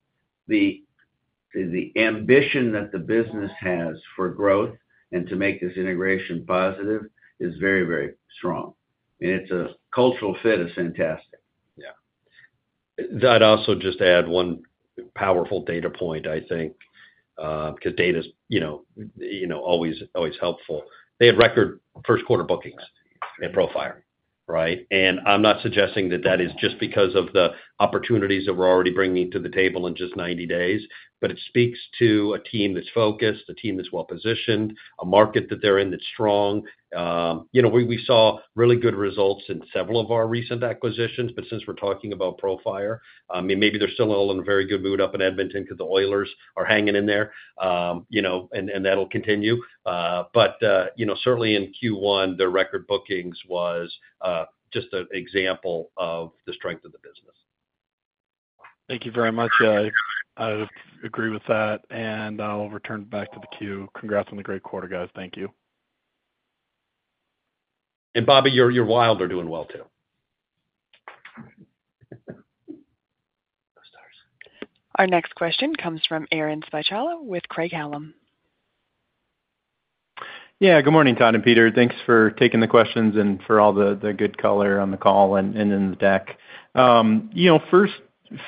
ambition that the business has for growth and to make this integration positive is very, very strong. Its cultural fit is fantastic. Yeah. I'd also just add one powerful data point, I think, because data is always helpful. They had record first-quarter bookings in Profire, right? I'm not suggesting that that is just because of the opportunities that we're already bringing to the table in just 90 days, but it speaks to a team that's focused, a team that's well-positioned, a market that they're in that's strong. We saw really good results in several of our recent acquisitions, but since we're talking about Profire, I mean, maybe they're still all in a very good mood up in Edmonton because the Oilers are hanging in there, and that'll continue. Certainly in Q1, their record bookings was just an example of the strength of the business. Thank you very much. I agree with that. I will return back to the Q. Congrats on the great quarter, guys. Thank you. Bobby, your Wild are doing well too. Our next question comes from Aaron Spychalla with Craig-Hallum. Yeah, good morning, Todd and Peter. Thanks for taking the questions and for all the good color on the call and in the deck. First,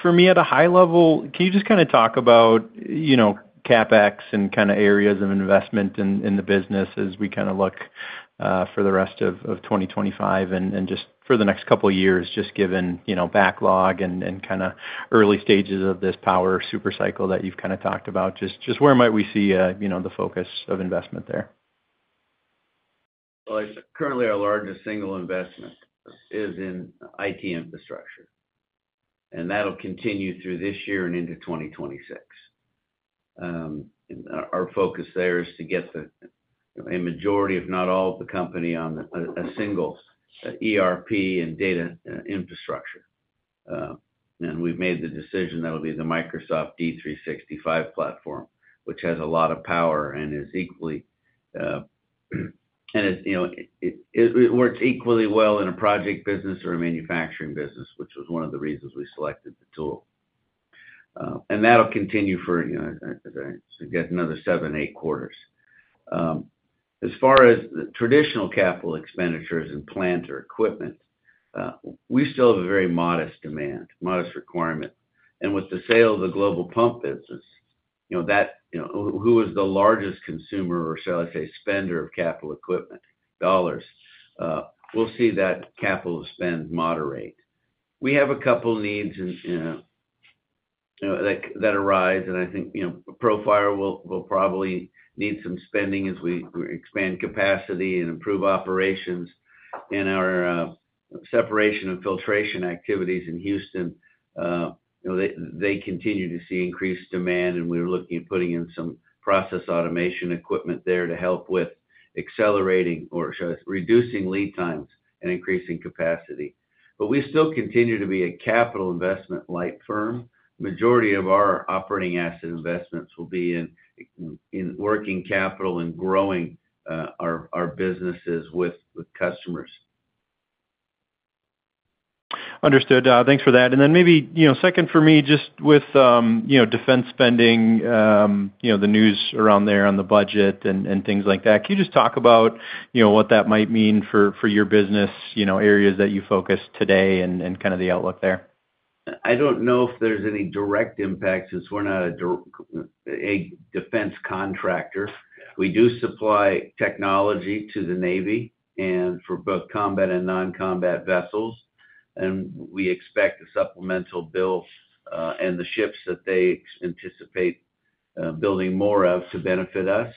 for me at a high level, can you just kind of talk about CapEx and kind of areas of investment in the business as we kind of look for the rest of 2025 and just for the next couple of years, just given backlog and kind of early stages of this power supercycle that you've kind of talked about? Just where might we see the focus of investment there? Currently, our largest single investment is in IT infrastructure. That'll continue through this year and into 2026. Our focus there is to get a majority, if not all, of the company on a single ERP and data infrastructure. We've made the decision that it'll be the Microsoft D365 platform, which has a lot of power and it works equally well in a project business or a manufacturing business, which was one of the reasons we selected the tool. That'll continue for, as I said, another seven, eight quarters. As far as traditional capital expenditures and plant or equipment, we still have a very modest demand, modest requirement. With the sale of the global pump business, who is the largest consumer or shall I say spender of capital equipment dollars? We'll see that capital spend moderate. We have a couple of needs that arise, and I think Profire will probably need some spending as we expand capacity and improve operations. Our separation and filtration activities in Houston, they continue to see increased demand, and we're looking at putting in some process automation equipment there to help with accelerating or reducing lead times and increasing capacity. We still continue to be a capital investment-like firm. The majority of our operating asset investments will be in working capital and growing our businesses with customers. Understood. Thanks for that. Maybe second for me, just with defense spending, the news around there on the budget and things like that, can you just talk about what that might mean for your business, areas that you focus today, and kind of the outlook there? I don't know if there's any direct impact since we're not a defense contractor. We do supply technology to the Navy and for both combat and non-combat vessels. We expect a supplemental bill and the ships that they anticipate building more of to benefit us.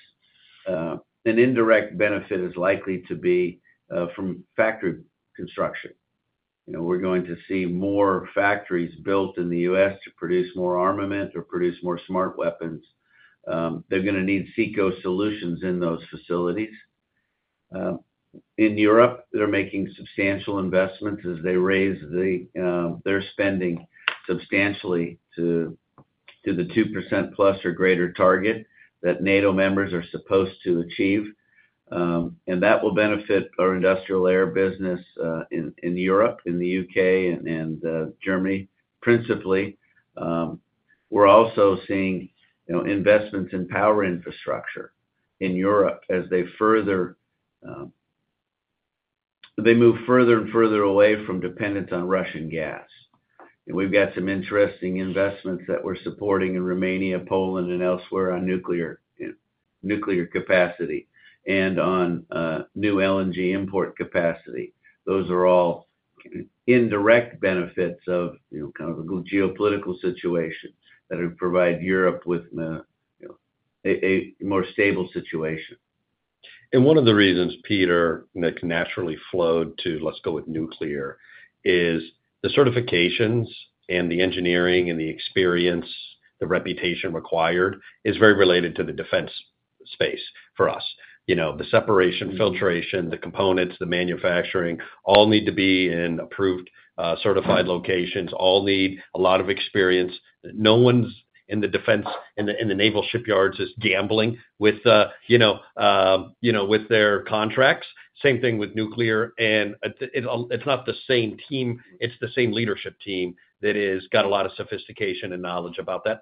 An indirect benefit is likely to be from factory construction. We're going to see more factories built in the U.S. to produce more armament or produce more smart weapons. They're going to need CECO solutions in those facilities. In Europe, they're making substantial investments as they raise their spending substantially to the 2% plus or greater target that NATO members are supposed to achieve. That will benefit our industrial air business in Europe, in the U.K., and Germany, principally. We're also seeing investments in power infrastructure in Europe as they move further and further away from dependence on Russian gas. We have got some interesting investments that we are supporting in Romania, Poland, and elsewhere on nuclear capacity and on new LNG import capacity. Those are all indirect benefits of kind of a geopolitical situation that will provide Europe with a more stable situation. One of the reasons, Peter, that can naturally flow to, let's go with nuclear, is the certifications and the engineering and the experience, the reputation required is very related to the defense space for us. The separation, filtration, the components, the manufacturing all need to be in approved, certified locations, all need a lot of experience. No one's in the defense in the Naval shipyards is gambling with their contracts. Same thing with nuclear. It's not the same team. It's the same leadership team that has got a lot of sophistication and knowledge about that.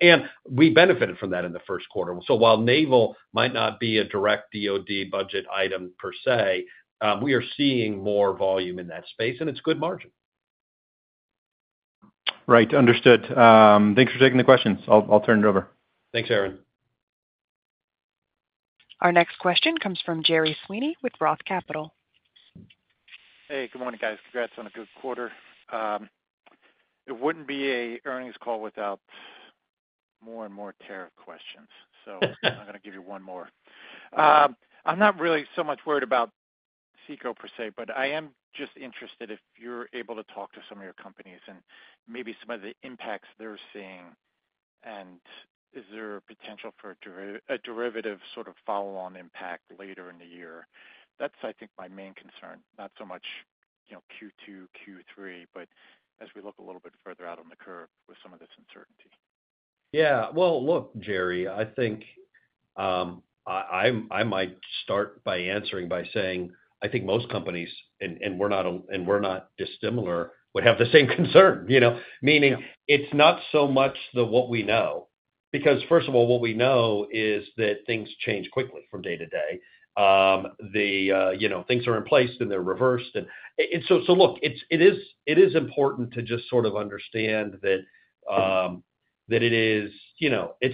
We benefited from that in the first quarter. While Naval might not be a direct DOD budget item per se, we are seeing more volume in that space, and it's good margin. Right. Understood. Thanks for taking the questions. I'll turn it over. Thanks, Aaron. Our next question comes from Gerry Sweeney with Roth Capital. Hey, good morning, guys. Congrats on a good quarter. It would not be an earnings call without more and more tariff questions. I am going to give you one more. I am not really so much worried about CECO per se, but I am just interested if you are able to talk to some of your companies and maybe some of the impacts they are seeing and is there a potential for a derivative sort of follow-on impact later in the year. That is, I think, my main concern, not so much Q2, Q3, but as we look a little bit further out on the curve with some of this uncertainty. Yeah. Look, Gerry, I think I might start by answering by saying I think most companies, and we're not dissimilar, would have the same concern. Meaning it's not so much what we know. Because first of all, what we know is that things change quickly from day to day. Things are in place and they're reversed. It is important to just sort of understand that it is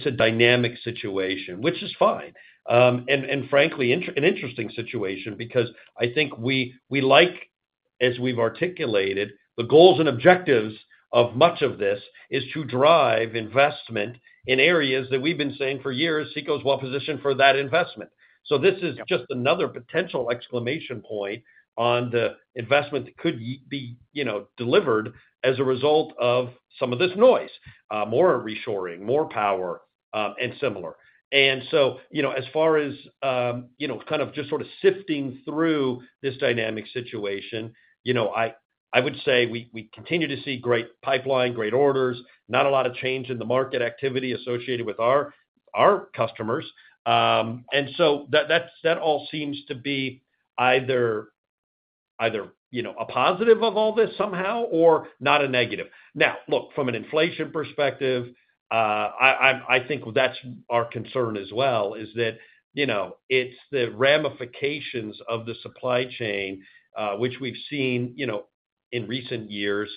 a dynamic situation, which is fine. Frankly, an interesting situation because I think we like, as we've articulated, the goals and objectives of much of this is to drive investment in areas that we've been saying for years, CECO's well-positioned for that investment. This is just another potential exclamation point on the investment that could be delivered as a result of some of this noise, more reshoring, more power, and similar. As far as kind of just sort of sifting through this dynamic situation, I would say we continue to see great pipeline, great orders, not a lot of change in the market activity associated with our customers. That all seems to be either a positive of all this somehow or not a negative. Now, look, from an inflation perspective, I think that's our concern as well is that it's the ramifications of the supply chain, which we've seen in recent years.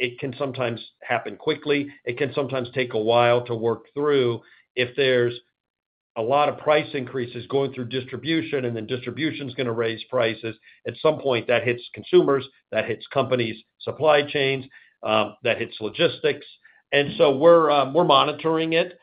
It can sometimes happen quickly. It can sometimes take a while to work through. If there's a lot of price increases going through distribution and then distribution's going to raise prices, at some point that hits consumers, that hits companies, supply chains, that hits logistics. We are monitoring it.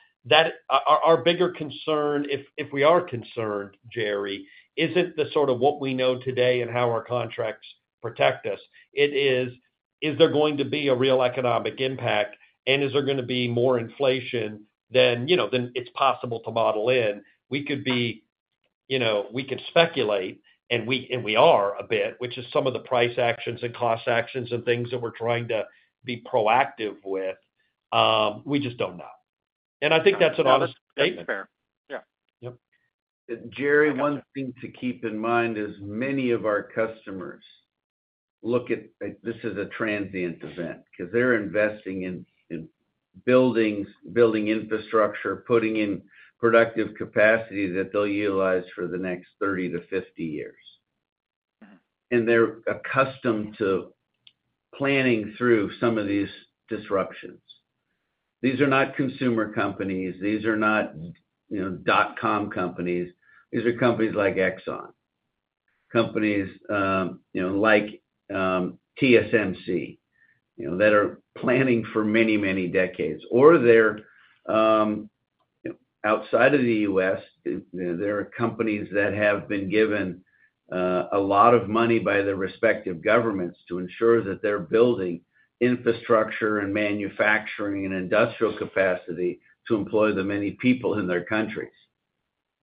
Our bigger concern, if we are concerned, Gerry, is not the sort of what we know today and how our contracts protect us. It is, is there going to be a real economic impact? Is there going to be more inflation than it's possible to model in? We could speculate, and we are a bit, which is some of the price actions and cost actions and things that we're trying to be proactive with. We just do not know. I think that's an honest statement. That's fair. Yeah. Gerry, one thing to keep in mind is many of our customers look at this as a transient event because they're investing in buildings, building infrastructure, putting in productive capacity that they'll utilize for the next 30 to 50 years. They're accustomed to planning through some of these disruptions. These are not consumer companies. These are not dot-com companies. These are companies like Exxon, companies like TSMC that are planning for many, many decades. They're outside of the U.S. There are companies that have been given a lot of money by their respective governments to ensure that they're building infrastructure and manufacturing and industrial capacity to employ the many people in their countries.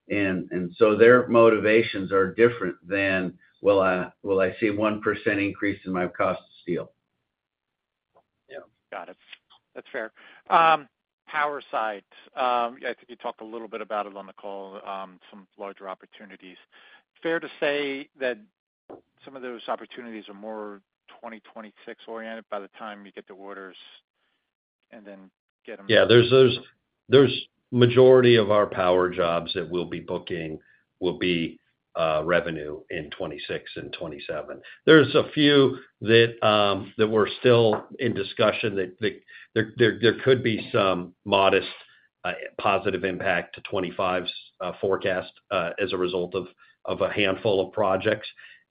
Their motivations are different than, well, I see 1% increase in my cost of steel. Yeah. Got it. That's fair. Power side, I think you talked a little bit about it on the call, some larger opportunities. Fair to say that some of those opportunities are more 2026-oriented by the time you get the orders and then get them? Yeah. The majority of our power jobs that we'll be booking will be revenue in 2026 and 2027. There's a few that we're still in discussion that there could be some modest positive impact to 2025's forecast as a result of a handful of projects.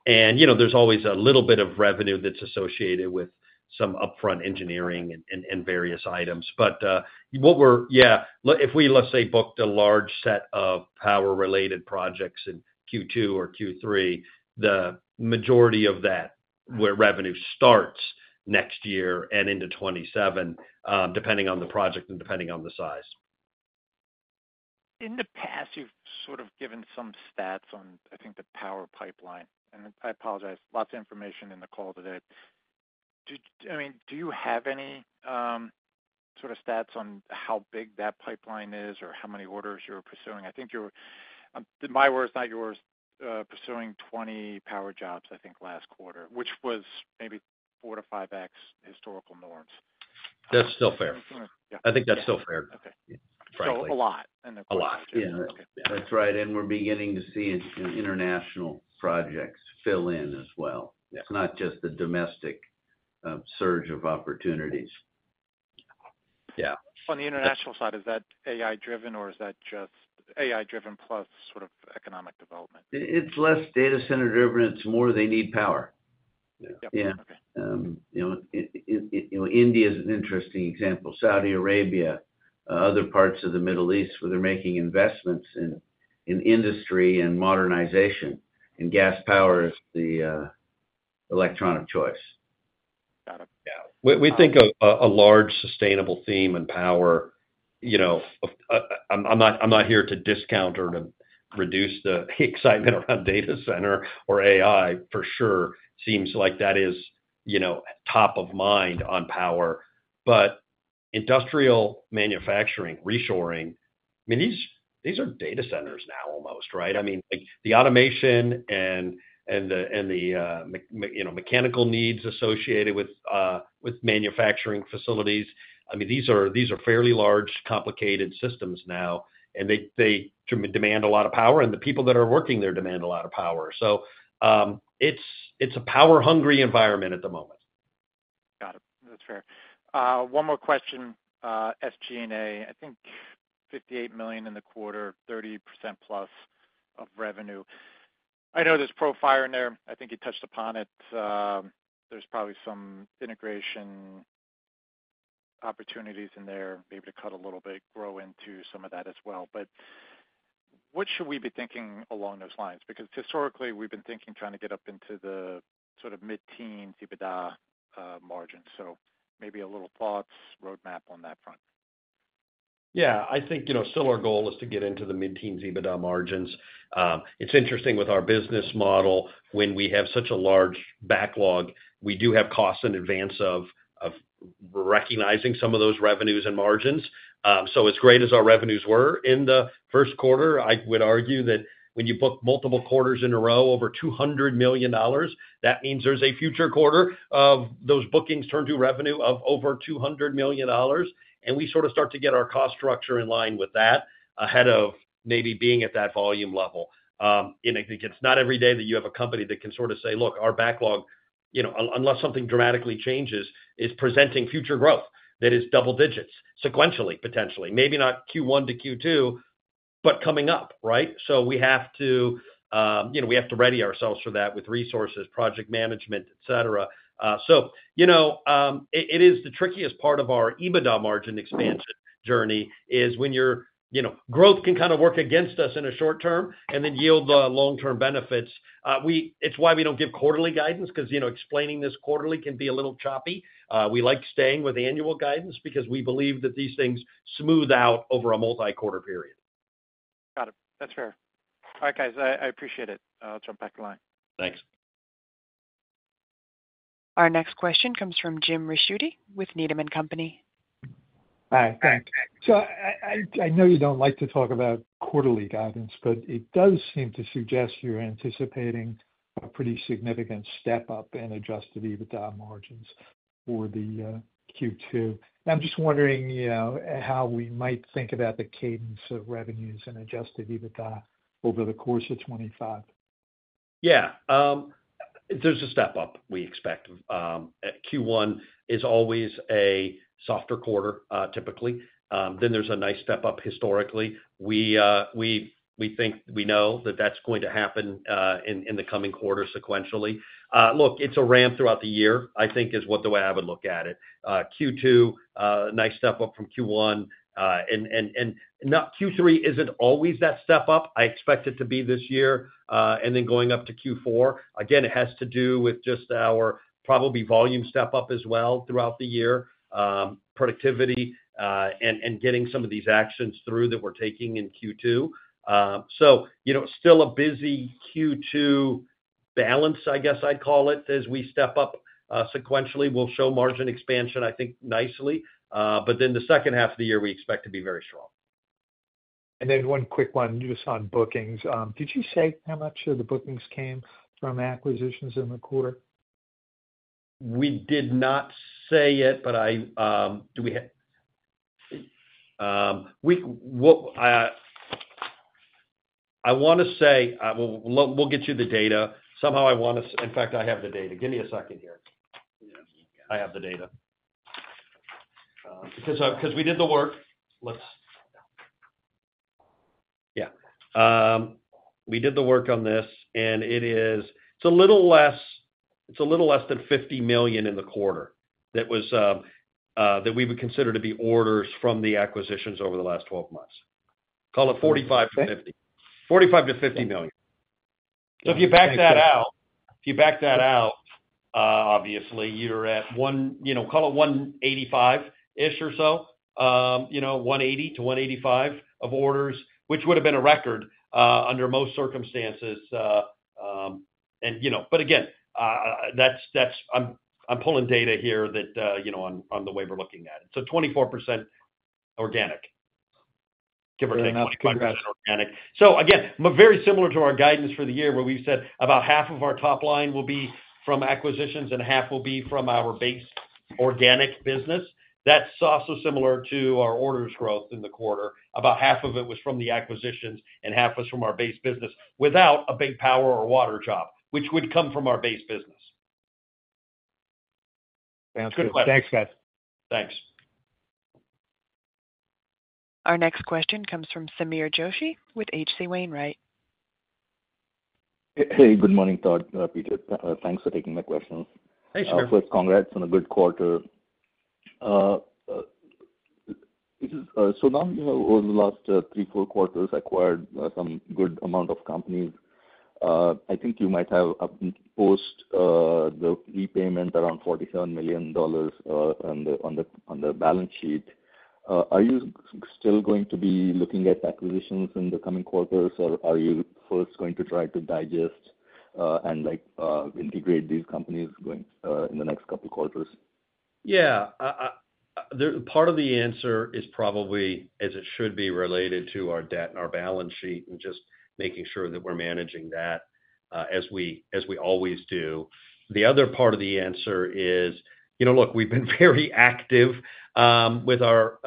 There's always a little bit of revenue that's associated with some upfront engineering and various items. Yeah, if we, let's say, booked a large set of power-related projects in Q2 or Q3, the majority of that revenue starts next year and into 2027, depending on the project and depending on the size. In the past, you've sort of given some stats on, I think, the power pipeline. I apologize. Lots of information in the call today. I mean, do you have any sort of stats on how big that pipeline is or how many orders you're pursuing? I think you're—my words, not yours—pursuing 20 power jobs, I think, last quarter, which was maybe four to five X historical norms. That's still fair. I think that's still fair. Okay. A lot in the quarter. A lot. That's right. We are beginning to see international projects fill in as well. It's not just the domestic surge of opportunities. Yeah. On the international side, is that AI-driven, or is that just AI-driven plus sort of economic development? It's less data center-driven. It's more they need power. India is an interesting example. Saudi Arabia, other parts of the Middle East where they're making investments in industry and modernization. Gas power is the electronic choice. Got it. We think a large sustainable theme in power—I am not here to discount or to reduce the excitement around data center or AI, for sure. It seems like that is top of mind on power. Industrial manufacturing, reshoring, I mean, these are data centers now almost, right? I mean, the automation and the mechanical needs associated with manufacturing facilities, I mean, these are fairly large, complicated systems now, and they demand a lot of power. The people that are working there demand a lot of power. It is a power-hungry environment at the moment. Got it. That's fair. One more question, SG&A. I think $58 million in the quarter, 30% plus of revenue. I know there's Profire in there. I think you touched upon it. There's probably some integration opportunities in there, maybe to cut a little bit, grow into some of that as well. What should we be thinking along those lines? Because historically, we've been thinking trying to get up into the sort of mid-teen EBITDA margin. Maybe a little thoughts, roadmap on that front. Yeah. I think still our goal is to get into the mid-teen EBITDA margins. It's interesting with our business model, when we have such a large backlog, we do have costs in advance of recognizing some of those revenues and margins. As great as our revenues were in the first quarter, I would argue that when you book multiple quarters in a row over $200 million, that means there's a future quarter of those bookings turned to revenue of over $200 million. We sort of start to get our cost structure in line with that ahead of maybe being at that volume level. I think it's not every day that you have a company that can sort of say, "Look, our backlog, unless something dramatically changes, is presenting future growth that is double digits sequentially, potentially. Maybe not Q1 to Q2, but coming up, right? We have to ready ourselves for that with resources, project management, etc. It is the trickiest part of our EBITDA margin expansion journey when your growth can kind of work against us in the short term and then yield the long-term benefits. It's why we don't give quarterly guidance because explaining this quarterly can be a little choppy. We like staying with annual guidance because we believe that these things smooth out over a multi-quarter period. Got it. That's fair. All right, guys. I appreciate it. I'll jump back in line. Thanks. Our next question comes from Jim Ricchiuti with Needham & Company. Hi. Thanks. I know you don't like to talk about quarterly guidance, but it does seem to suggest you're anticipating a pretty significant step up in adjusted EBITDA margins for the Q2. I'm just wondering how we might think about the cadence of revenues and adjusted EBITDA over the course of 2025. Yeah. There's a step up we expect. Q1 is always a softer quarter, typically. Then there's a nice step up historically. We think we know that that's going to happen in the coming quarter sequentially. Look, it's a ramp throughout the year, I think, is the way I would look at it. Q2, nice step up from Q1. Q3 isn't always that step up. I expect it to be this year. Going up to Q4, again, it has to do with just our probably volume step up as well throughout the year, productivity, and getting some of these actions through that we're taking in Q2. Still a busy Q2 balance, I guess I'd call it, as we step up sequentially. We'll show margin expansion, I think, nicely. The second half of the year, we expect to be very strong. One quick one, just on bookings. Did you say how much of the bookings came from acquisitions in the quarter? We did not say it, but I want to say we'll get you the data. Somehow I want to—in fact, I have the data. Give me a second here. I have the data. Because we did the work. Yeah. We did the work on this, and it's a little less than $50 million in the quarter that we would consider to be orders from the acquisitions over the last 12 months. Call it $45-$50 million. $45-$50 million. If you back that out, if you back that out, obviously, you're at one—call it $185-ish or so, $180-$185 of orders, which would have been a record under most circumstances. Again, I'm pulling data here that on the way we're looking at it. 24% organic, give or take 20% organic. Again, very similar to our guidance for the year where we've said about half of our top line will be from acquisitions and half will be from our base organic business. That's also similar to our orders growth in the quarter. About half of it was from the acquisitions and half was from our base business without a big power or water job, which would come from our base business. Sounds good. Thanks, guys. Thanks. Our next question comes from Sameer Joshi with H.C. Wainwright. Hey, good morning, Todd. Thanks for taking my questions. Hey, sure. First, congrats on a good quarter. Now you have, over the last three, four quarters, acquired some good amount of companies. I think you might have post the repayment around $47 million on the balance sheet. Are you still going to be looking at acquisitions in the coming quarters, or are you first going to try to digest and integrate these companies in the next couple of quarters? Yeah. Part of the answer is probably, as it should be, related to our debt and our balance sheet and just making sure that we're managing that as we always do. The other part of the answer is, look, we've been very active with our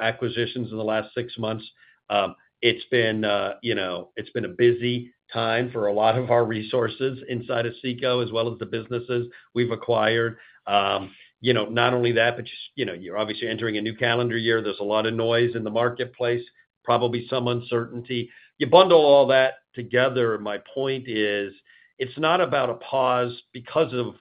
acquisitions in the last six months. It's been a busy time for a lot of our resources inside of CECO, as well as the businesses we've acquired. Not only that, but you're obviously entering a new calendar year. There's a lot of noise in the marketplace, probably some uncertainty. You bundle all that together, my point is it's not about a pause because of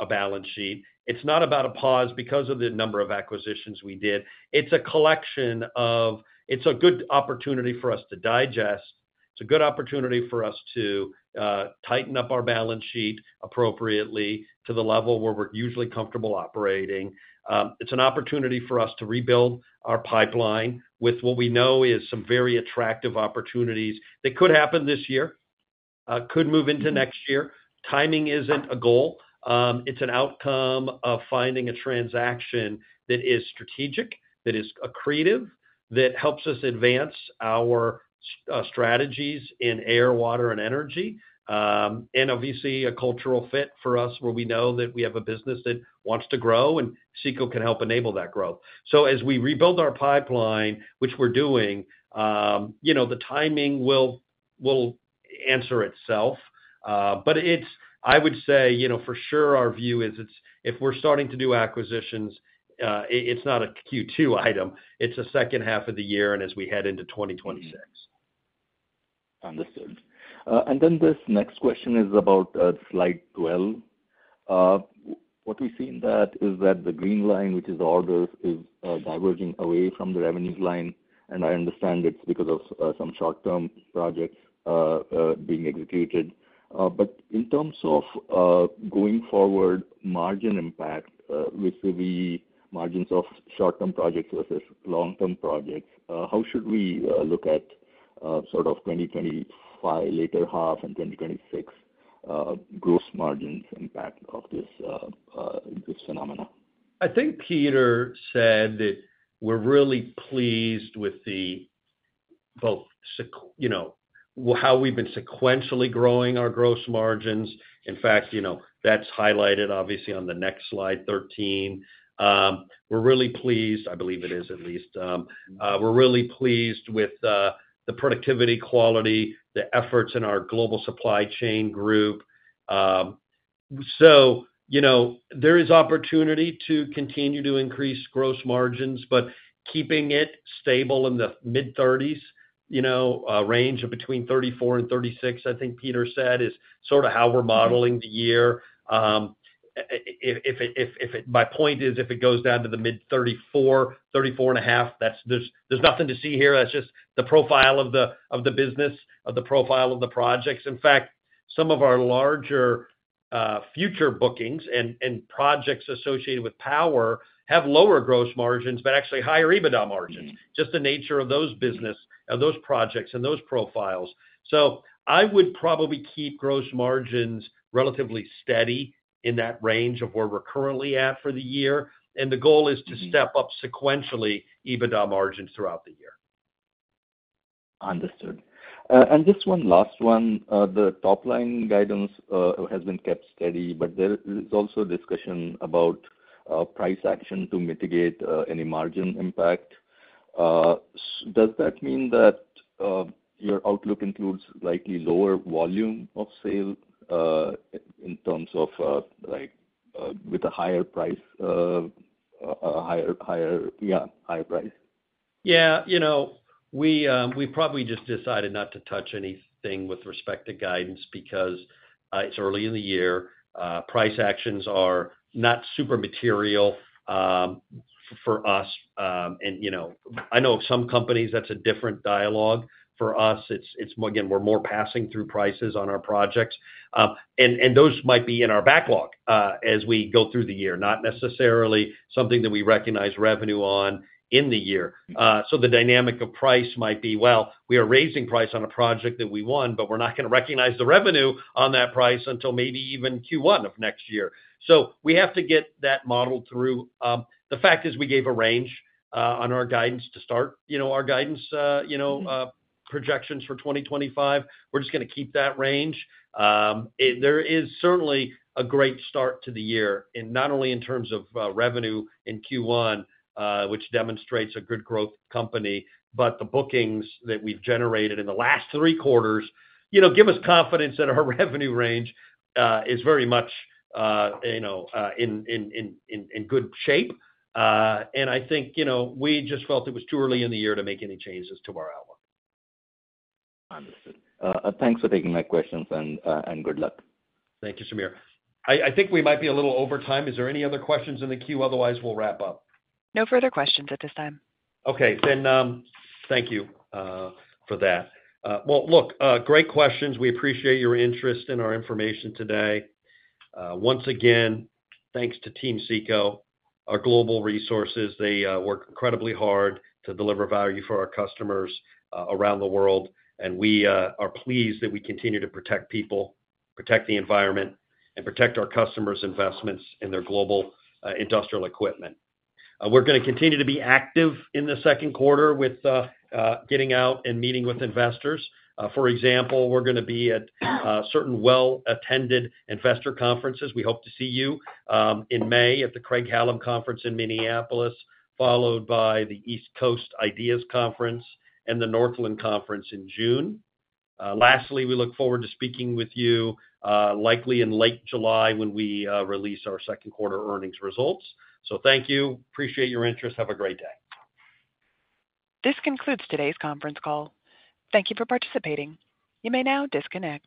a balance sheet. It's not about a pause because of the number of acquisitions we did. It's a collection of—it's a good opportunity for us to digest. It's a good opportunity for us to tighten up our balance sheet appropriately to the level where we're usually comfortable operating. It's an opportunity for us to rebuild our pipeline with what we know is some very attractive opportunities that could happen this year, could move into next year. Timing isn't a goal. It's an outcome of finding a transaction that is strategic, that is creative, that helps us advance our strategies in air, water, and energy. Obviously, a cultural fit for us where we know that we have a business that wants to grow, and CECO can help enable that growth. As we rebuild our pipeline, which we're doing, the timing will answer itself. I would say, for sure, our view is if we're starting to do acquisitions, it's not a Q2 item. It's a second half of the year and as we head into 2026. Understood. This next question is about slide 12. What we see in that is that the green line, which is orders, is diverging away from the revenues line. I understand it's because of some short-term projects being executed. In terms of going forward, margin impact, which will be margins of short-term projects versus long-term projects, how should we look at sort of 2025, later half, and 2026 gross margins impact of this phenomena? I think Peter said that we're really pleased with both how we've been sequentially growing our gross margins. In fact, that's highlighted, obviously, on the next slide, 13. We're really pleased—I believe it is at least—we're really pleased with the productivity, quality, the efforts in our global supply chain group. There is opportunity to continue to increase gross margins, but keeping it stable in the mid-30s, a range of between 34-36, I think Peter said, is sort of how we're modeling the year. My point is if it goes down to the mid-34, 34 and a half, there's nothing to see here. That's just the profile of the business, of the profile of the projects. In fact, some of our larger future bookings and projects associated with power have lower gross margins, but actually higher EBITDA margins, just the nature of those business, of those projects, and those profiles. I would probably keep gross margins relatively steady in that range of where we're currently at for the year. The goal is to step up sequentially EBITDA margins throughout the year. Understood. Just one last one. The top line guidance has been kept steady, but there is also discussion about price action to mitigate any margin impact. Does that mean that your outlook includes slightly lower volume of sale in terms of with a higher price, a higher—yeah, higher price? Yeah. We probably just decided not to touch anything with respect to guidance because it's early in the year. Price actions are not super material for us. I know some companies, that's a different dialogue. For us, again, we're more passing through prices on our projects. Those might be in our backlog as we go through the year, not necessarily something that we recognize revenue on in the year. The dynamic of price might be, well, we are raising price on a project that we won, but we're not going to recognize the revenue on that price until maybe even Q1 of next year. We have to get that modeled through. The fact is we gave a range on our guidance to start our guidance projections for 2025. We're just going to keep that range. There is certainly a great start to the year, not only in terms of revenue in Q1, which demonstrates a good growth company, but the bookings that we've generated in the last three quarters give us confidence that our revenue range is very much in good shape. I think we just felt it was too early in the year to make any changes to our outlook. Understood. Thanks for taking my questions, and good luck. Thank you, Sameer. I think we might be a little over time. Is there any other questions in the queue? Otherwise, we'll wrap up. No further questions at this time. Thank you for that. Great questions. We appreciate your interest in our information today. Once again, thanks to Team CECO, our global resources. They work incredibly hard to deliver value for our customers around the world. We are pleased that we continue to protect people, protect the environment, and protect our customers' investments in their global industrial equipment. We are going to continue to be active in the second quarter with getting out and meeting with investors. For example, we are going to be at certain well-attended investor conferences. We hope to see you in May at the Craig-Hallum Conference in Minneapolis, followed by the East Coast IDEAS Conference and the Northland Conference in June. Lastly, we look forward to speaking with you likely in late July when we release our second quarter earnings results. Thank you. Appreciate your interest. Have a great day. This concludes today's conference call. Thank you for participating. You may now disconnect.